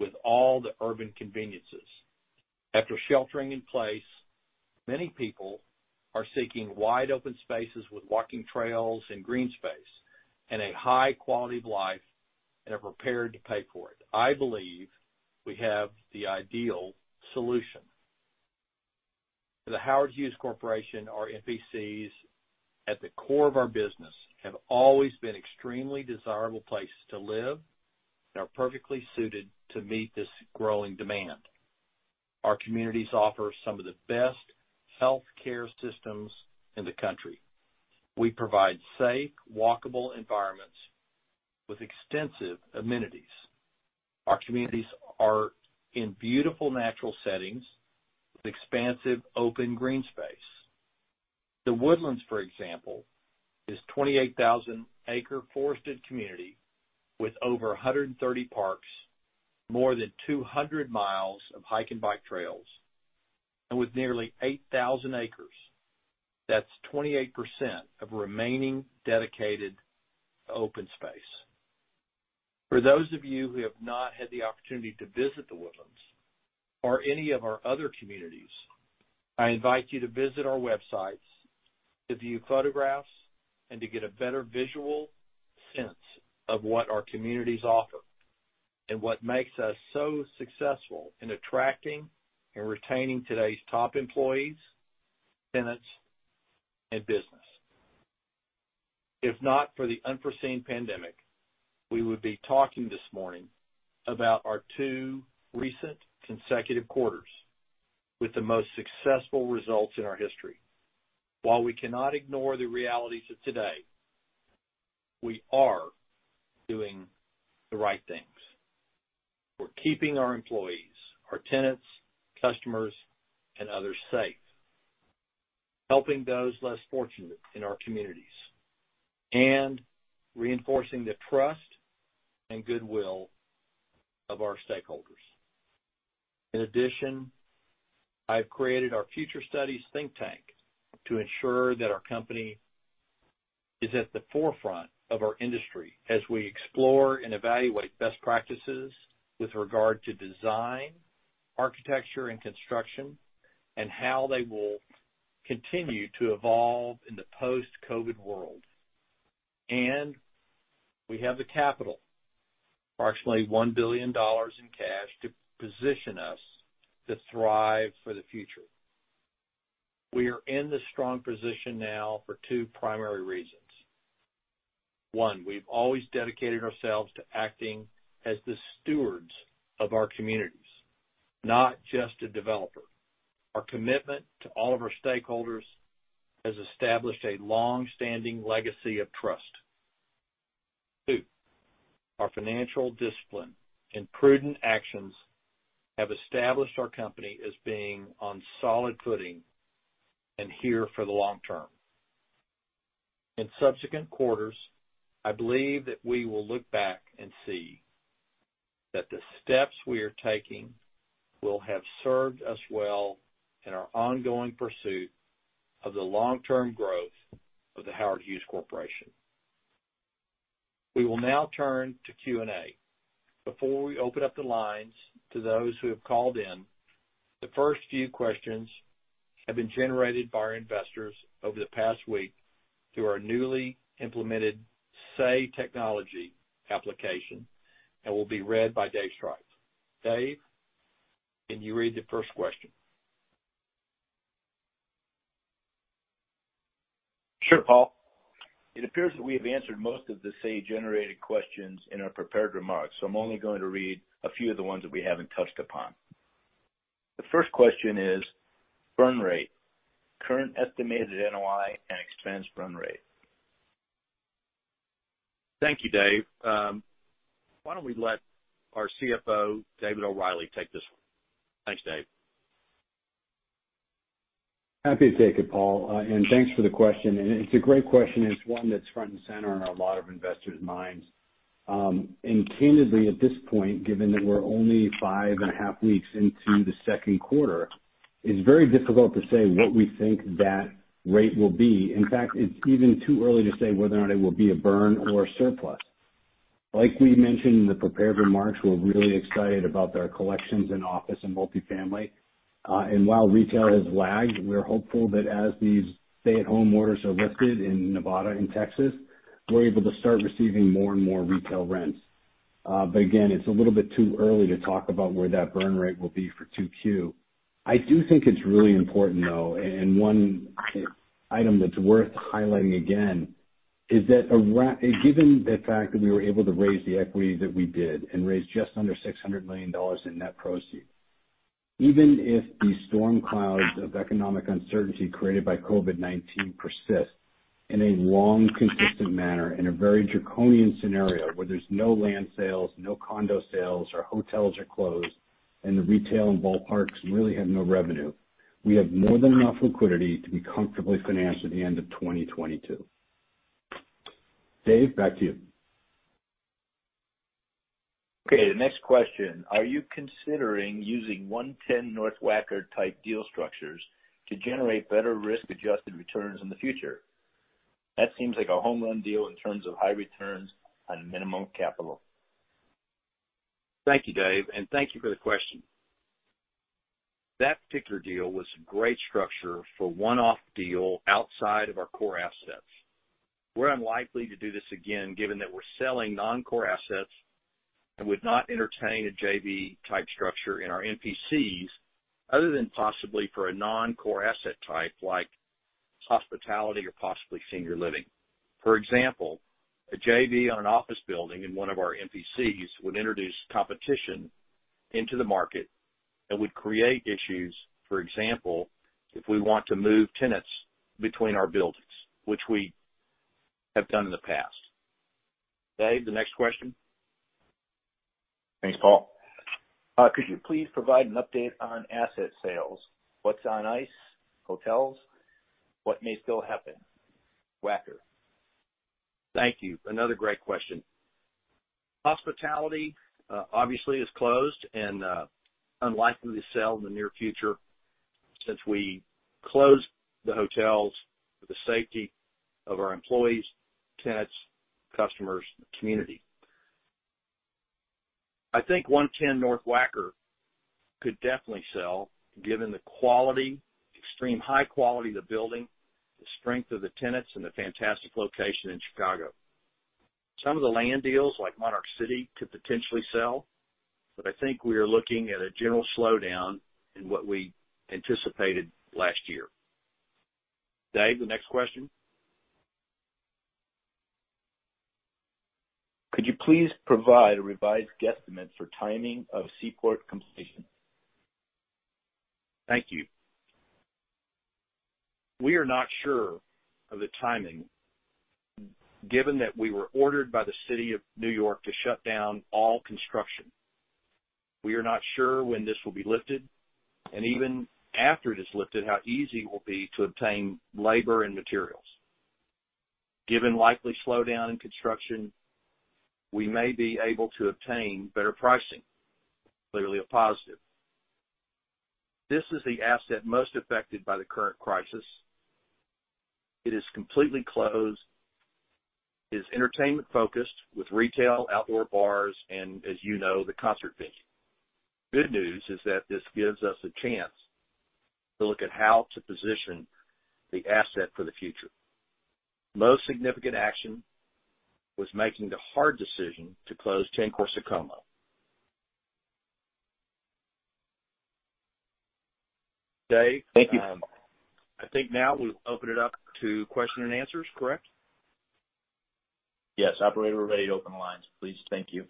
with all the urban conveniences. After sheltering in place, many people are seeking wide-open spaces with walking trails and green space, and a high quality of life, and are prepared to pay for it. I believe we have the ideal solution. For The Howard Hughes Corporation, our MPCs, at the core of our business, have always been extremely desirable places to live, and are perfectly suited to meet this growing demand. Our communities offer some of the best healthcare systems in the country. We provide safe, walkable environments with extensive amenities. Our communities are in beautiful natural settings with expansive open green space. The Woodlands, for example, is a 28,000-acre forested community with over 130 parks, more than 200 miles of hike and bike trails, and with nearly 8,000 acres. That's 28% of remaining dedicated open space. For those of you who have not had the opportunity to visit The Woodlands or any of our other communities, I invite you to visit our websites to view photographs and to get a better visual sense of what our communities offer, and what makes us so successful in attracting and retaining today's top employees, tenants, and business. If not for the unforeseen pandemic, we would be talking this morning about our two recent consecutive quarters with the most successful results in our history. While we cannot ignore the realities of today, we are doing the right things. We're keeping our employees, our tenants, customers, and others safe, helping those less fortunate in our communities, and reinforcing the trust and goodwill of our stakeholders. In addition, I've created our Future Studies think tank to ensure that our company is at the forefront of our industry as we explore and evaluate best practices with regard to design, architecture, and construction, and how they will continue to evolve in the post-COVID-19 world. We have the capital, approximately $1 billion in cash, to position us to thrive for the future. We are in this strong position now for two primary reasons. One, we've always dedicated ourselves to acting as the stewards of our communities, not just a developer. Our commitment to all of our stakeholders has established a long-standing legacy of trust. Two, our financial discipline and prudent actions have established our company as being on solid footing and here for the long term. In subsequent quarters, I believe that we will look back and see that the steps we are taking will have served us well in our ongoing pursuit of the long-term growth of The Howard Hughes Corporation. We will now turn to Q&A. Before we open up the lines to those who have called in, the first few questions have been generated by our investors over the past week through our newly implemented Say technology application and will be read by Dave Striph. Dave, can you read the first question? Sure, Paul. It appears that we have answered most of the Say-generated questions in our prepared remarks. I'm only going to read a few of the ones that we haven't touched upon. The first question is burn rate, current estimated NOI, and expense burn rate. Thank you, Dave. Why don't we let our CFO, David O'Reilly, take this one? Thanks, Dave. Happy to take it, Paul, and thanks for the question, and it's a great question, and it's one that's front and center on a lot of investors' minds. Candidly, at this point, given that we're only five and a half weeks into the second quarter, it's very difficult to say what we think that rate will be. In fact, it's even too early to say whether or not it will be a burn or a surplus. Like we mentioned in the prepared remarks, we're really excited about our collections in office and multifamily. While retail has lagged, we're hopeful that as these stay-at-home orders are lifted in Nevada and Texas, we're able to start receiving more and more retail rents. Again, it's a little bit too early to talk about where that burn rate will be for 2Q. I do think it's really important, though. One item that's worth highlighting again, is that given the fact that we were able to raise the equity that we did and raise just under $600 million in net proceeds, even if the storm clouds of economic uncertainty created by COVID-19 persist in a long, consistent manner, in a very draconian scenario where there's no land sales, no condo sales, our hotels are closed, and the retail and ballparks really have no revenue, we have more than enough liquidity to be comfortably financed through the end of 2022. Dave, back to you. Okay, the next question. Are you considering using 110 North Wacker-type deal structures to generate better risk-adjusted returns in the future? That seems like a home run deal in terms of high returns on minimum capital. Thank you, Dave, and thank you for the question. That particular deal was a great structure for a one-off deal outside of our core assets. We're unlikely to do this again, given that we're selling non-core assets and would not entertain a JV type structure in our MPCs other than possibly for a non-core asset type like hospitality or possibly senior living. For example, a JV on an office building in one of our MPCs would introduce competition into the market and would create issues, for example, if we want to move tenants between our buildings, which we have done in the past. Dave, the next question. Thanks, Paul. Could you please provide an update on asset sales? What's on ice? Hotels? What may still happen? Wacker. Thank you. Another great question. Hospitality, obviously, is closed and unlikely to sell in the near future since we closed the hotels for the safety of our employees, tenants, customers, and the community. I think 110 North Wacker could definitely sell, given the quality, extreme high quality of the building, the strength of the tenants, and the fantastic location in Chicago. Some of the land deals, like Monarch City, could potentially sell, but I think we are looking at a general slowdown in what we anticipated last year. Dave, the next question. Could you please provide a revised guesstimate for timing of Seaport completion? Thank you. We are not sure of the timing, given that we were ordered by the City of New York to shut down all construction. We are not sure when this will be lifted, and even after it is lifted, how easy it will be to obtain labor and materials. Given likely slowdown in construction, we may be able to obtain better pricing. Clearly a positive. This is the asset most affected by the current crisis. It is completely closed. It is entertainment-focused with retail, outdoor bars, and as you know, the concert venue. Good news is that this gives us a chance to look at how to position the asset for the future. Most significant action was making the hard decision to close 10 Corso Como. Dave. Thank you. I think now we'll open it up to question and answers, correct? Yes. Operator, we're ready to open the lines, please. Thank you.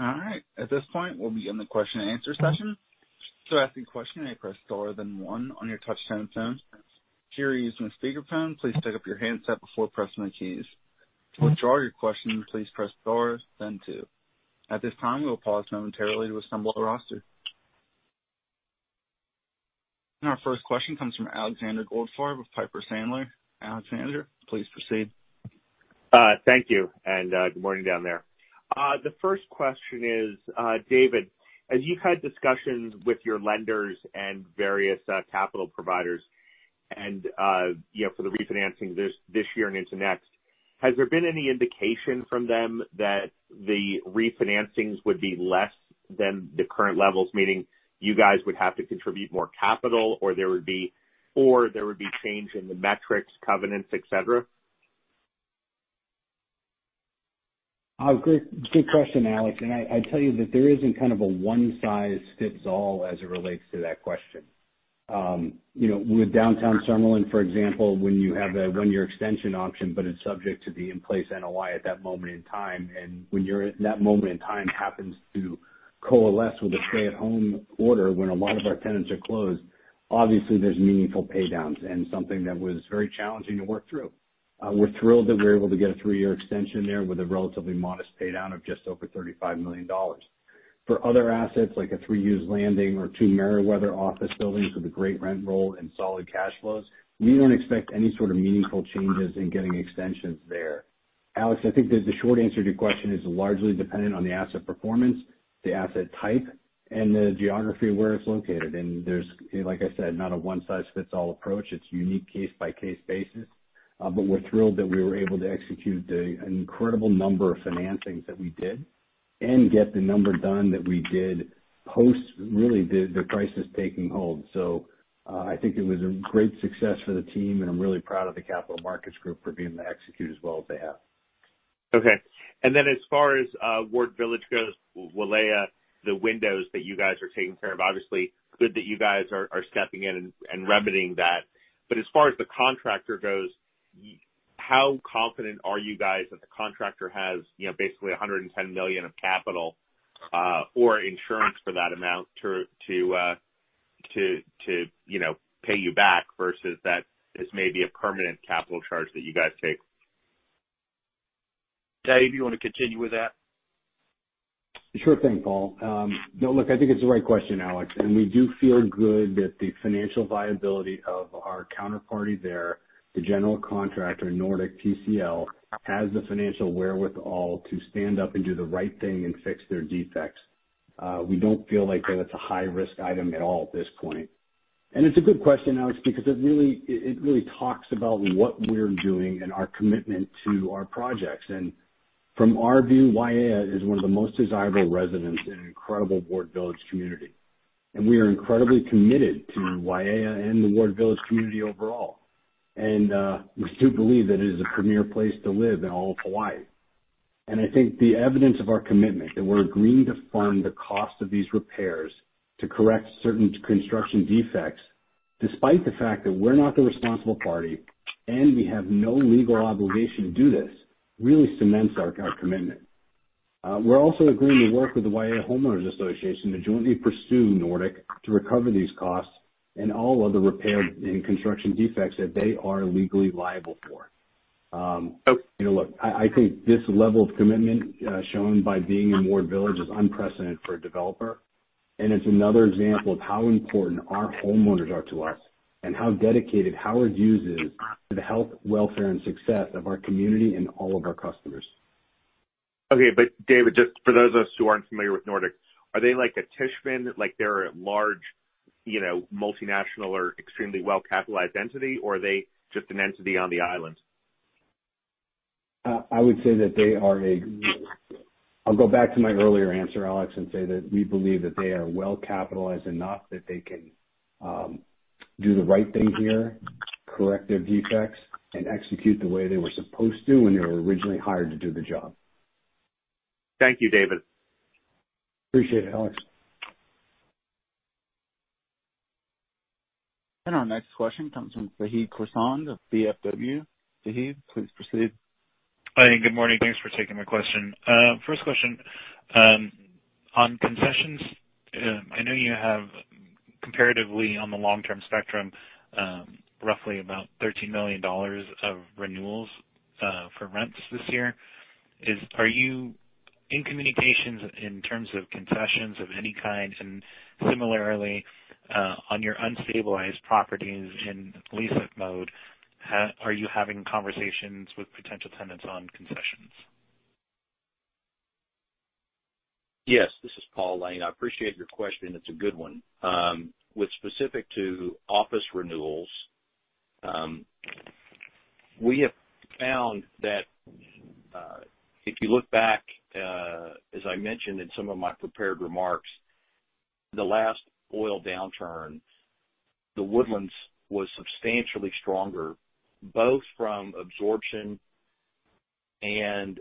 All right. At this point, we'll begin the question-and-answer session. To ask a question, press star then one on your touchtone phone. If you are using a speakerphone, please pick up your handset before pressing the keys. To withdraw your question, please press star then two. At this time, we will pause momentarily to assemble the roster. Our first question comes from Alexander Goldfarb of Piper Sandler. Alexander, please proceed. Thank you, and good morning down there. The first question is, David, as you've had discussions with your lenders and various capital providers and for the refinancing this year and into next, has there been any indication from them that the refinancings would be less than the current levels, meaning you guys would have to contribute more capital, or there would be change in the metrics, covenants, et cetera? Great question, Alex, and I tell you that there isn't kind of a one-size-fits-all as it relates to that question. With Downtown Summerlin, for example, when you have a one-year extension option, but it's subject to the in-place NOI at that moment in time, and when you're in that moment in time happens to coalesce with a stay-at-home order when a lot of our tenants are closed, obviously, there's meaningful paydowns and something that was very challenging to work through. We're thrilled that we were able to get a three-year extension there with a relatively modest paydown of just over $35 million. For other assets, like a Three Hughes Landing or Two Merriweather office buildings with a great rent roll and solid cash flows, we don't expect any sort of meaningful changes in getting extensions there. Alex, I think that the short answer to your question is largely dependent on the asset performance, the asset type, and the geography of where it's located. There's, like I said, not a one-size-fits-all approach. It's unique case-by-case basis. We're thrilled that we were able to execute the incredible number of financings that we did and get the number done that we did post, really, the crisis taking hold. I think it was a great success for the team, and I'm really proud of the capital markets group for being able to execute as well as they have. Okay. As far as Ward Village goes, Waiea, the windows that you guys are taking care of. Obviously, good that you guys are stepping in and remedying that. As far as the contractor goes, how confident are you guys that the contractor has basically $110 million of capital or insurance for that amount to pay you back versus that this may be a permanent capital charge that you guys take? Dave, you want to continue with that? Sure thing, Paul. Look, I think it's the right question, Alex, we do feel good that the financial viability of our counterparty there, the general contractor, Nordic PCL, has the financial wherewithal to stand up and do the right thing and fix their defects. We don't feel like that's a high-risk item at all at this point. It's a good question, Alex, because it really talks about what we're doing and our commitment to our projects. From our view, Waiea is one of the most desirable residents in an incredible Ward Village community. We are incredibly committed to Waiea and the Ward Village community overall. We do believe that it is a premier place to live in all of Hawaii. I think the evidence of our commitment, that we're agreeing to fund the cost of these repairs to correct certain construction defects, despite the fact that we're not the responsible party and we have no legal obligation to do this, really cements our commitment. We're also agreeing to work with the Waiea Homeowners Association to jointly pursue Nordic to recover these costs and all other repair and construction defects that they are legally liable for. Look, I think this level of commitment shown by being in Ward Village is unprecedented for a developer, and it's another example of how important our homeowners are to us and how dedicated Howard Hughes is to the health, welfare, and success of our community and all of our customers. Okay. David, just for those of us who aren't familiar with Nordic, are they like a Tishman? Like they're a large multinational or extremely well-capitalized entity, or are they just an entity on the island? I would say that they are I'll go back to my earlier answer, Alex, and say that we believe that they are well capitalized enough that they can do the right thing here, correct their defects, and execute the way they were supposed to when they were originally hired to do the job. Thank you, David. Appreciate it, Alex. Our next question comes from Vahid Khorsand of BWS Financial. Vahid, please proceed. Good morning. Thanks for taking my question. First question. On concessions, I know you have comparatively, on the long-term spectrum, roughly about $13 million of renewals for rents this year. Are you in communications in terms of concessions of any kind? Similarly, on your unstabilized properties in lease-up mode, are you having conversations with potential tenants on concessions? Yes. This is Paul Layne. I appreciate your question. It's a good one. With specific to office renewals, we have found that if you look back, as I mentioned in some of my prepared remarks, the last oil downturn, The Woodlands was substantially stronger, both from absorption and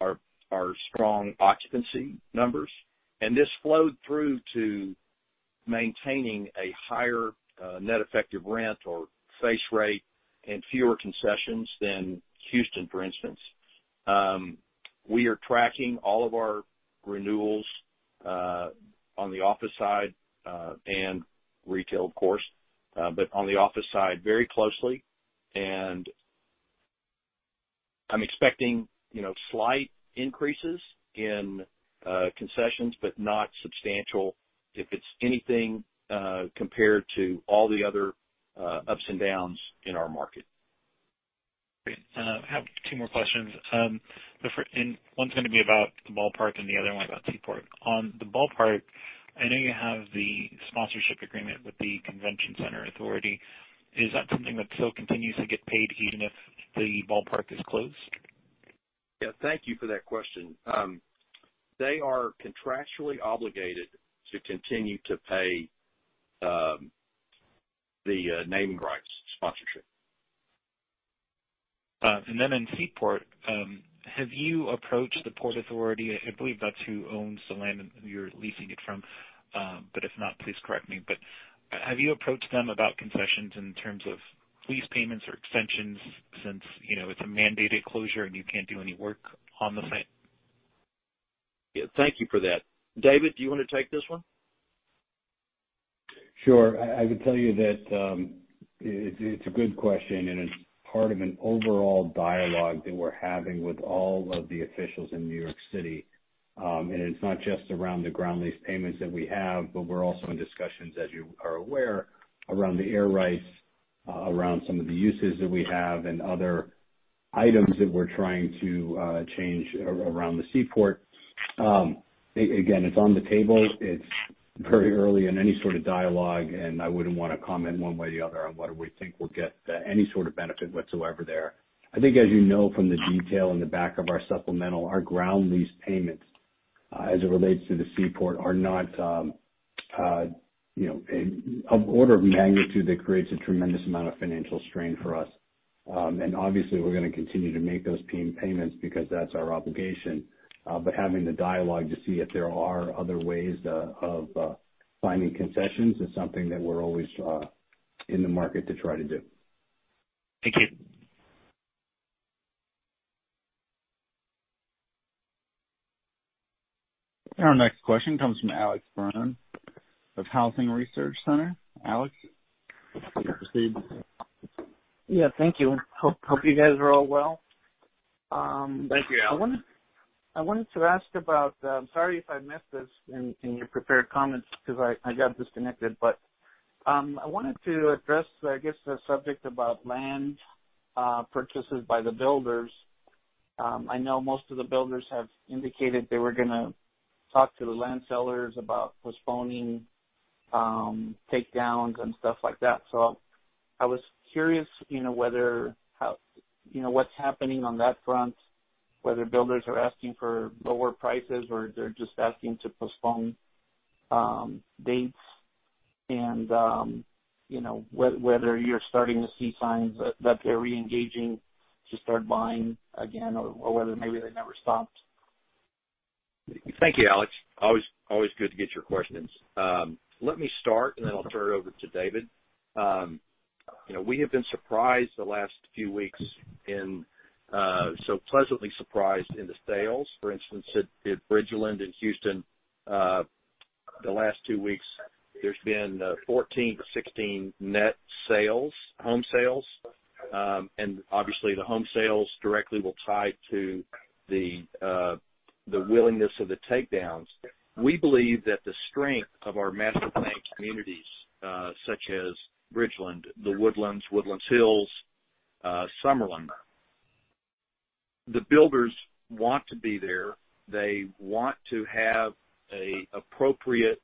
our strong occupancy numbers. This flowed through to maintaining a higher net effective rent or face rate and fewer concessions than Houston, for instance. We are tracking all of our renewals on the office side and retail, of course, but on the office side very closely. I'm expecting slight increases in concessions, but not substantial if it's anything compared to all the other ups and downs in our market. Great. I have two more questions. One's going to be about the Ballpark and the other one about Seaport. On the Ballpark, I know you have the sponsorship agreement with the Convention Center Authority. Is that something that still continues to get paid even if the Ballpark is closed? Yeah. Thank you for that question. They are contractually obligated to continue to pay the naming rights sponsorship. In Seaport, have you approached the Port Authority? I believe that's who owns the land and who you're leasing it from. If not, please correct me. Have you approached them about concessions in terms of lease payments or extensions since it's a mandated closure and you can't do any work on the site? Yeah. Thank you for that. David, do you want to take this one? Sure. I would tell you that it's a good question, and it's part of an overall dialogue that we're having with all of the officials in New York City. It's not just around the ground lease payments that we have, but we're also in discussions, as you are aware, around the air rights, around some of the uses that we have and other items that we're trying to change around the Seaport. Again, it's on the table. It's very early in any sort of dialogue, and I wouldn't want to comment one way or the other on whether we think we'll get any sort of benefit whatsoever there. I think, as you know from the detail in the back of our supplemental, our ground lease payments as it relates to the Seaport are not of order of magnitude that creates a tremendous amount of financial strain for us. Obviously, we're going to continue to make those payments because that's our obligation. Having the dialogue to see if there are other ways of finding concessions is something that we're always in the market to try to do. Thank you. Our next question comes from Alex Barron of Housing Research Center. Alex, you can proceed. Yeah. Thank you. Hope you guys are all well. Thank you, Alex. I'm sorry if I missed this in your prepared comments because I got disconnected, but I wanted to address, I guess, the subject about land purchases by the builders. I know most of the builders have indicated they were going to talk to the land sellers about postponing takedowns and stuff like that. I was curious what's happening on that front, whether builders are asking for lower prices or they're just asking to postpone dates and whether you're starting to see signs that they're re-engaging to start buying again, or whether maybe they never stopped. Thank you, Alex. Always good to get your questions. Let me start, and then I'll turn it over to David. We have been surprised the last few weeks, so pleasantly surprised in the sales. For instance, at Bridgeland in Houston, the last two weeks there's been 14-16 net sales, home sales. Obviously, the home sales directly will tie to the willingness of the takedowns. We believe that the strength of our master planned communities, such as Bridgeland, The Woodlands, The Woodlands Hills, Summerlin, the builders want to be there. They want to have a appropriate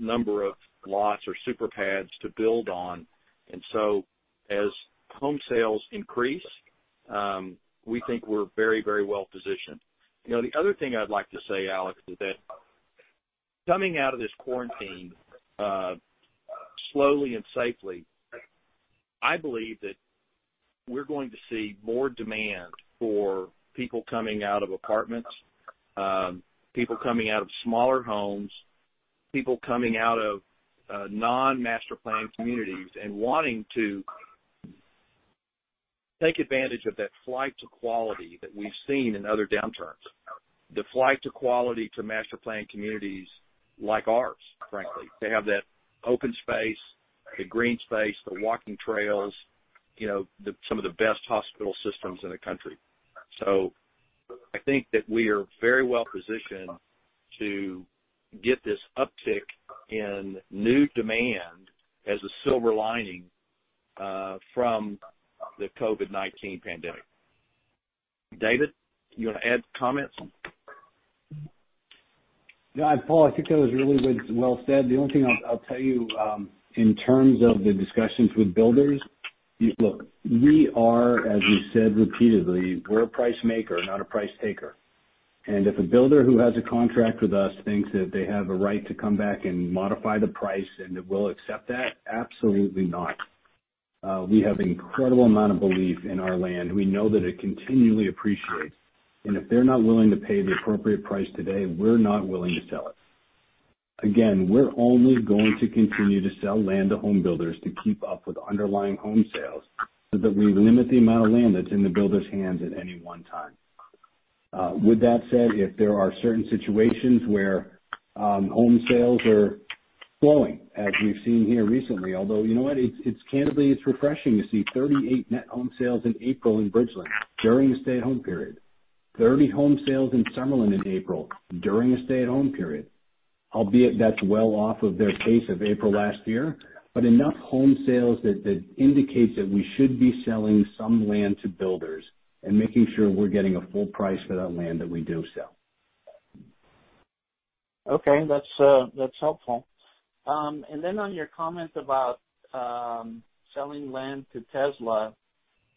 number of lots or super pads to build on. As home sales increase, we think we're very well positioned. The other thing I'd like to say, Alex, is that coming out of this quarantine, slowly and safely, I believe that we're going to see more demand for people coming out of apartments, people coming out of smaller homes, people coming out of non-master planned communities and wanting to take advantage of that flight to quality that we've seen in other downturns, the flight to quality to master planned communities like ours, frankly. They have that open space, the green space, the walking trails, some of the best hospital systems in the country. I think that we are very well positioned to get this uptick in new demand as a silver lining from the COVID-19 pandemic. David, you want to add comments? Yeah. Paul, I think that was really well said. The only thing I'll tell you, in terms of the discussions with builders, look, we are, as we've said repeatedly, we're a price maker, not a price taker. If a builder who has a contract with us thinks that they have a right to come back and modify the price and that we'll accept that, absolutely not. We have an incredible amount of belief in our land. We know that it continually appreciates, and if they're not willing to pay the appropriate price today, we're not willing to sell it. Again, we're only going to continue to sell land to home builders to keep up with underlying home sales, but we limit the amount of land that's in the builders' hands at any one time. With that said, if there are certain situations where home sales are flowing, as we've seen here recently, although you know what. Candidly, it's refreshing to see 38 net home sales in April in Bridgeland during the stay-at-home period, 30 home sales in Summerlin in April during the stay-at-home period, albeit that's well off of their pace of April last year. Enough home sales that indicates that we should be selling some land to builders and making sure we're getting a full price for that land that we do sell. Okay. That's helpful. On your comment about selling land to Tesla,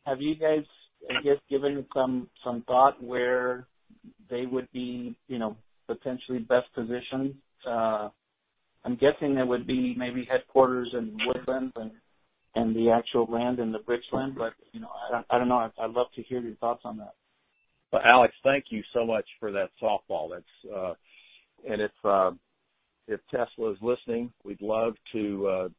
have you guys, I guess, given some thought where they would be potentially best positioned? I'm guessing that would be maybe headquarters in The Woodlands and the actual land in Bridgeland, but I don't know. I'd love to hear your thoughts on that. Alex, thank you so much for that softball. If Tesla is listening, we'd love to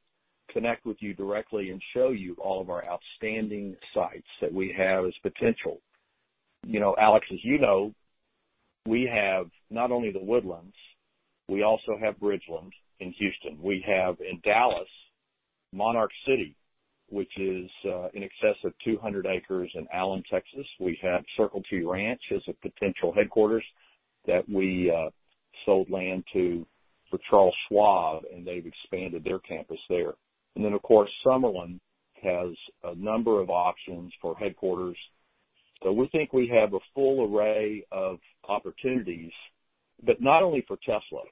connect with you directly and show you all of our outstanding sites that we have as potential. Alex, as you know, we have not only The Woodlands, we also have Bridgeland in Houston. We have in Dallas, Monarch City, which is in excess of 200 acres in Allen, Texas. We have Circle T Ranch as a potential headquarters that we sold land to for Charles Schwab, and they've expanded their campus there. Of course, Summerlin has a number of options for headquarters. We think we have a full array of opportunities, but not only for Tesla.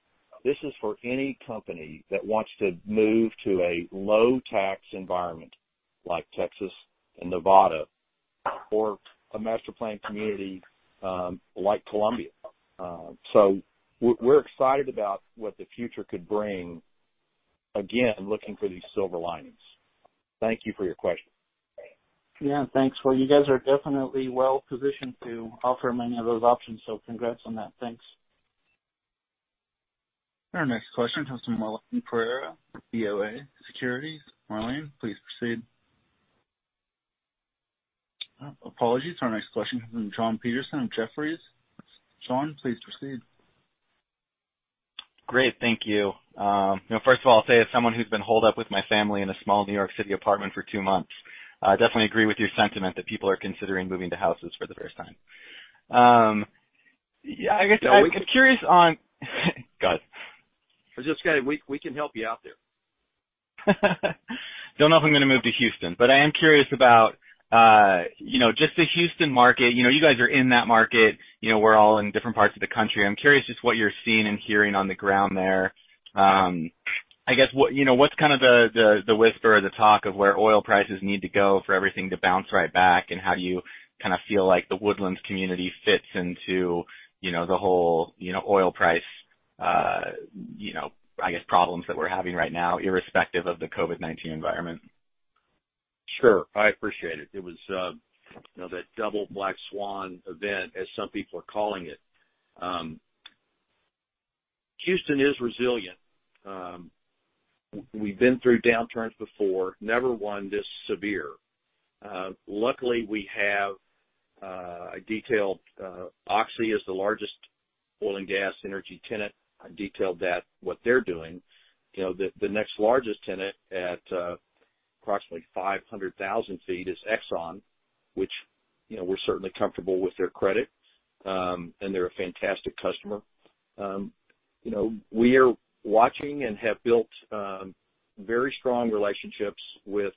This is for any company that wants to move to a low tax environment like Texas and Nevada or a master planned community like Columbia. We're excited about what the future could bring, again, looking for these silver linings. Thank you for your question. Yeah. Thanks. You guys are definitely well positioned to offer many of those options. Congrats on that. Thanks. Our next question comes from Marlene Pereiro with Bank of America. Marlene, please proceed. Apologies. Our next question comes from Jon Petersen of Jefferies. Jon, please proceed. Great. Thank you. First of all, I'll say as someone who's been holed up with my family in a small New York City apartment for two months, I definitely agree with your sentiment that people are considering moving to houses for the first time. Yeah, I guess I'm curious on, go ahead. Just that we can help you out there. Don't know if I'm going to move to Houston, but I am curious about just the Houston market. You guys are in that market. We're all in different parts of the country. I'm curious just what you're seeing and hearing on the ground there. I guess, what's kind of the whisper or the talk of where oil prices need to go for everything to bounce right back, and how do you kind of feel like The Woodlands community fits into the whole oil price, I guess, problems that we're having right now, irrespective of the COVID-19 environment? Sure. I appreciate it. It was that double black swan event, as some people are calling it. Houston is resilient. We've been through downturns before, never one this severe. Luckily, we have a detailed Oxy is the largest oil and gas energy tenant. I detailed that, what they're doing. The next largest tenant at approximately 500,000 ft is Exxon, which we're certainly comfortable with their credit. They're a fantastic customer. We are watching and have built very strong relationships with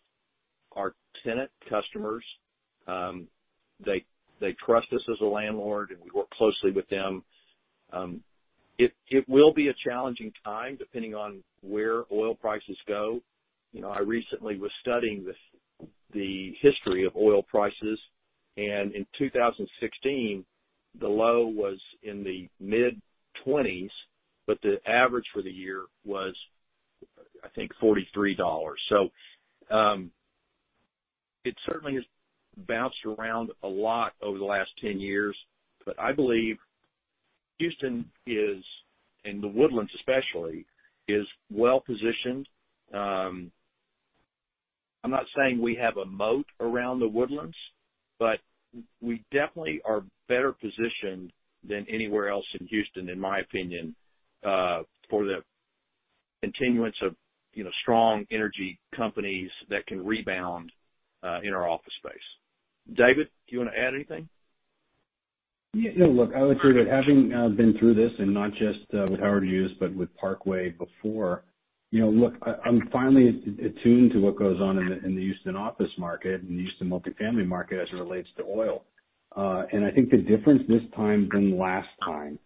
our tenant customers. They trust us as a landlord, and we work closely with them. It will be a challenging time, depending on where oil prices go. I recently was studying the history of oil prices, and in 2016, the low was in the mid-$20s, but the average for the year was, I think, $43. It certainly has bounced around a lot over the last 10 years. I believe Houston is, and The Woodlands especially, is well-positioned. I'm not saying we have a moat around The Woodlands, we definitely are better positioned than anywhere else in Houston, in my opinion, for the continuance of strong energy companies that can rebound in our office space. David, do you want to add anything? Yeah. Look, I would agree that having been through this, and not just with Howard Hughes, but with Parkway before, look, I'm finally attuned to what goes on in the Houston office market and the Houston multifamily market as it relates to oil. I think the difference this time than last time,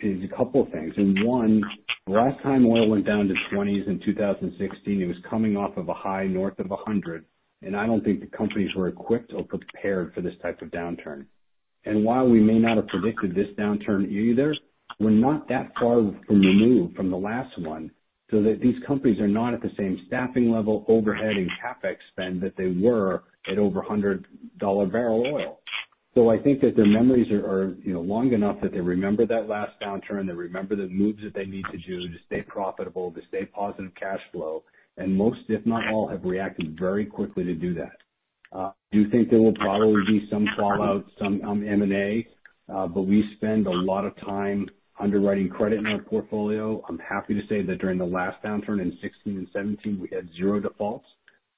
is a couple of things. One, last time oil went down to $20s in 2016, it was coming off of a high north of $100, and I don't think the companies were equipped or prepared for this type of downturn. While we may not have predicted this downturn either, we're not that far removed from the last one, so that these companies are not at the same staffing level, overhead, and CapEx spend that they were at over $100 barrel oil. I think that their memories are long enough that they remember that last downturn, they remember the moves that they need to do to stay profitable, to stay positive cash flow. Most, if not all, have reacted very quickly to do that. I do think there will probably be some fallout, some M&A. We spend a lot of time underwriting credit in our portfolio. I'm happy to say that during the last downturn in 2016 and 2017, we had zero defaults.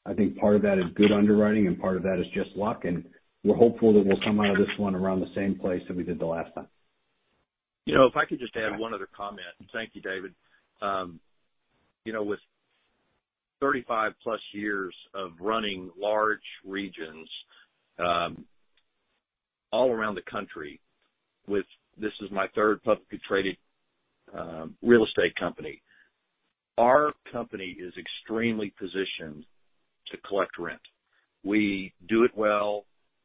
I think part of that is good underwriting, and part of that is just luck, and we're hopeful that we'll come out of this one around the same place that we did the last time. If I could just add one other comment. Thank you, David. With 35+ years of running large regions all around the country, this is my third publicly traded real estate company. Our company is extremely positioned to collect rent. We do it well.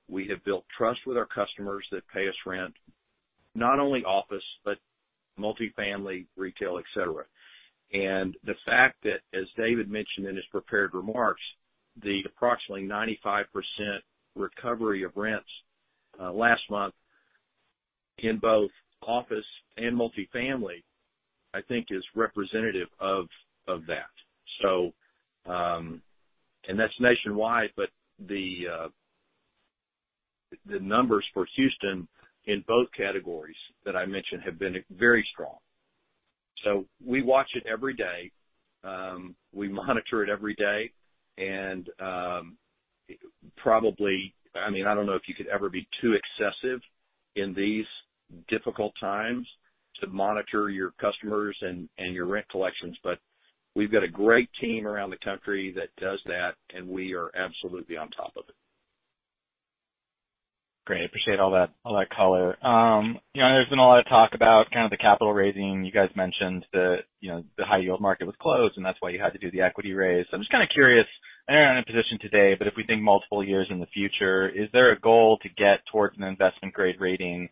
We have built trust with our customers that pay us rent, not only office, but multifamily, retail, et cetera. The fact that, as David mentioned in his prepared remarks, the approximately 95% recovery of rents last month in both office and multifamily, I think is representative of that. That's nationwide, the numbers for Houston in both categories that I mentioned have been very strong. We watch it every day. We monitor it every day, and probably I don't know if you could ever be too excessive in these difficult times to monitor your customers and your rent collections, but we've got a great team around the country that does that, and we are absolutely on top of it. Great. Appreciate all that color. There's been a lot of talk about kind of the capital raising. You guys mentioned the high-yield market was closed, and that's why you had to do the equity raise. I'm just kind of curious, I know we're not in a position today, but if we think multiple years in the future, is there a goal to get towards an investment-grade rating,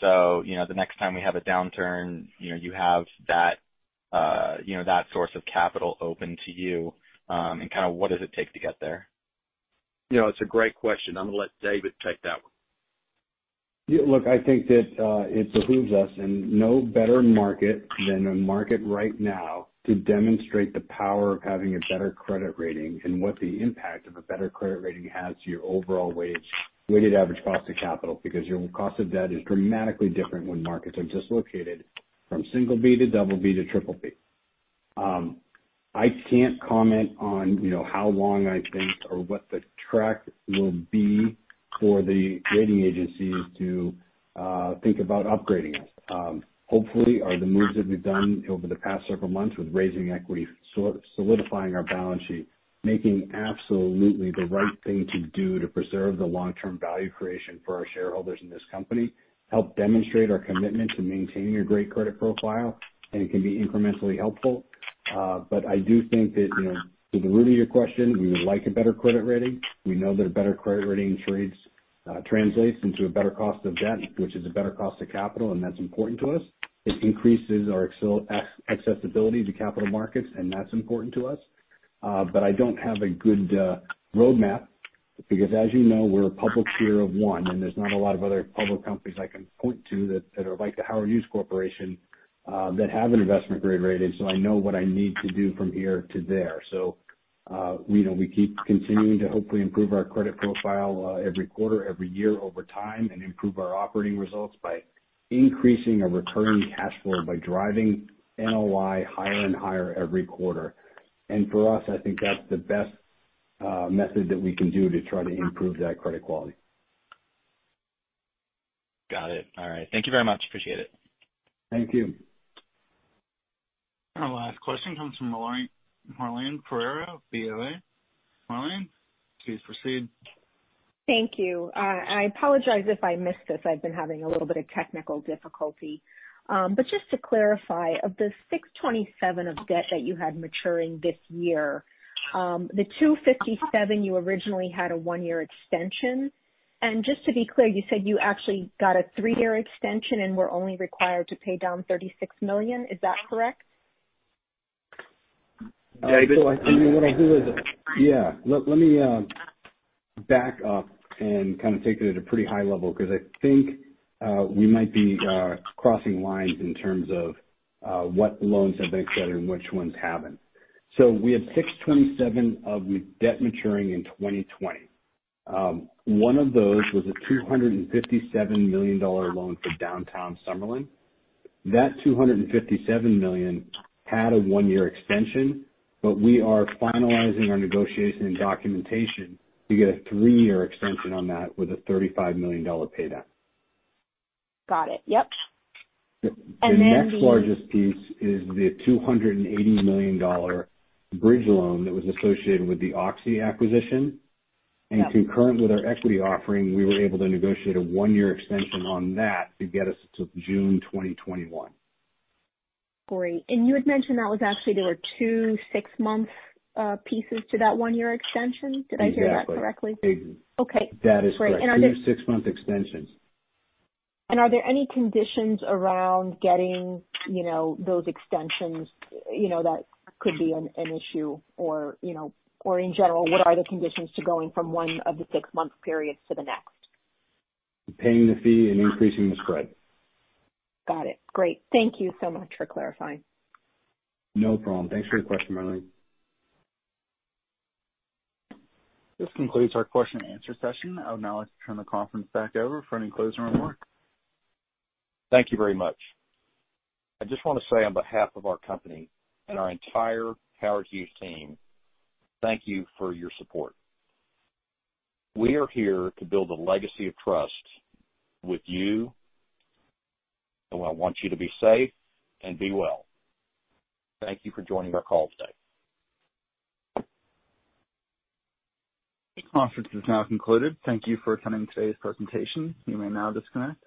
so the next time we have a downturn, you have that source of capital open to you? What does it take to get there? It's a great question. I'm going to let David take that one. Look, I think that it behooves us in no better market than a market right now to demonstrate the power of having a better credit rating and what the impact of a better credit rating has to your overall weighted average cost of capital, because your cost of debt is dramatically different when markets are dislocated from single B to double B to triple B. I can't comment on how long I think or what the track will be for the rating agencies to think about upgrading us. Hopefully, are the moves that we've done over the past several months with raising equity, solidifying our balance sheet, making absolutely the right thing to do to preserve the long-term value creation for our shareholders in this company, help demonstrate our commitment to maintaining a great credit profile, and it can be incrementally helpful. I do think that, to the root of your question, we would like a better credit rating. We know that a better credit rating translates into a better cost of debt, which is a better cost of capital, and that's important to us. It increases our accessibility to capital markets, and that's important to us. I don't have a good roadmap because, as you know, we're a public peer of one, and there's not a lot of other public companies I can point to that are like The Howard Hughes Corporation that have an investment-grade rating, so I know what I need to do from here to there. We keep continuing to hopefully improve our credit profile every quarter, every year over time, and improve our operating results by increasing our recurring cash flow by driving NOI higher and higher every quarter. For us, I think that's the best method that we can do to try to improve that credit quality. Got it. All right. Thank you very much. Appreciate it. Thank you. Our last question comes from Marlene Pereiro of Bank of America. Marlene, please proceed. Thank you. I apologize if I missed this. I've been having a little bit of technical difficulty. Just to clarify, of the $627 million of debt that you had maturing this year, the $257 million you originally had a one-year extension. Just to be clear, you said you actually got a three-year extension and were only required to pay down $36 million. Is that correct? I think what I'll do is, yeah. Let me back up and kind of take it at a pretty high level, because I think we might be crossing lines in terms of what loans have been extended and which ones haven't. We had $627 million of debt maturing in 2020. One of those was a $257 million loan for Downtown Summerlin. That $257 million had a one-year extension, but we are finalizing our negotiation and documentation to get a three-year extension on that with a $35 million paydown. Got it. Yep. The next largest piece is the $280 million bridge loan that was associated with the Oxy acquisition. Yep. Concurrent with our equity offering, we were able to negotiate a one-year extension on that to get us to June 2021. Great. You had mentioned that was actually there were two six-month pieces to that one-year extension. Did I hear that correctly? Exactly. Okay. That is correct. Great. Two six-month extensions. Are there any conditions around getting those extensions that could be an issue? In general, what are the conditions to going from one of the six-month periods to the next? Paying the fee and increasing the spread. Got it. Great. Thank you so much for clarifying. No problem. Thanks for your question, Marlene. This concludes our question-and-answer session. I would now like to turn the conference back over for any closing remarks. Thank you very much. I just want to say on behalf of our company and our entire Howard Hughes team, thank you for your support. We are here to build a legacy of trust with you, and I want you to be safe and be well. Thank you for joining our call today. This conference is now concluded. Thank you for attending today's presentation. You may now disconnect.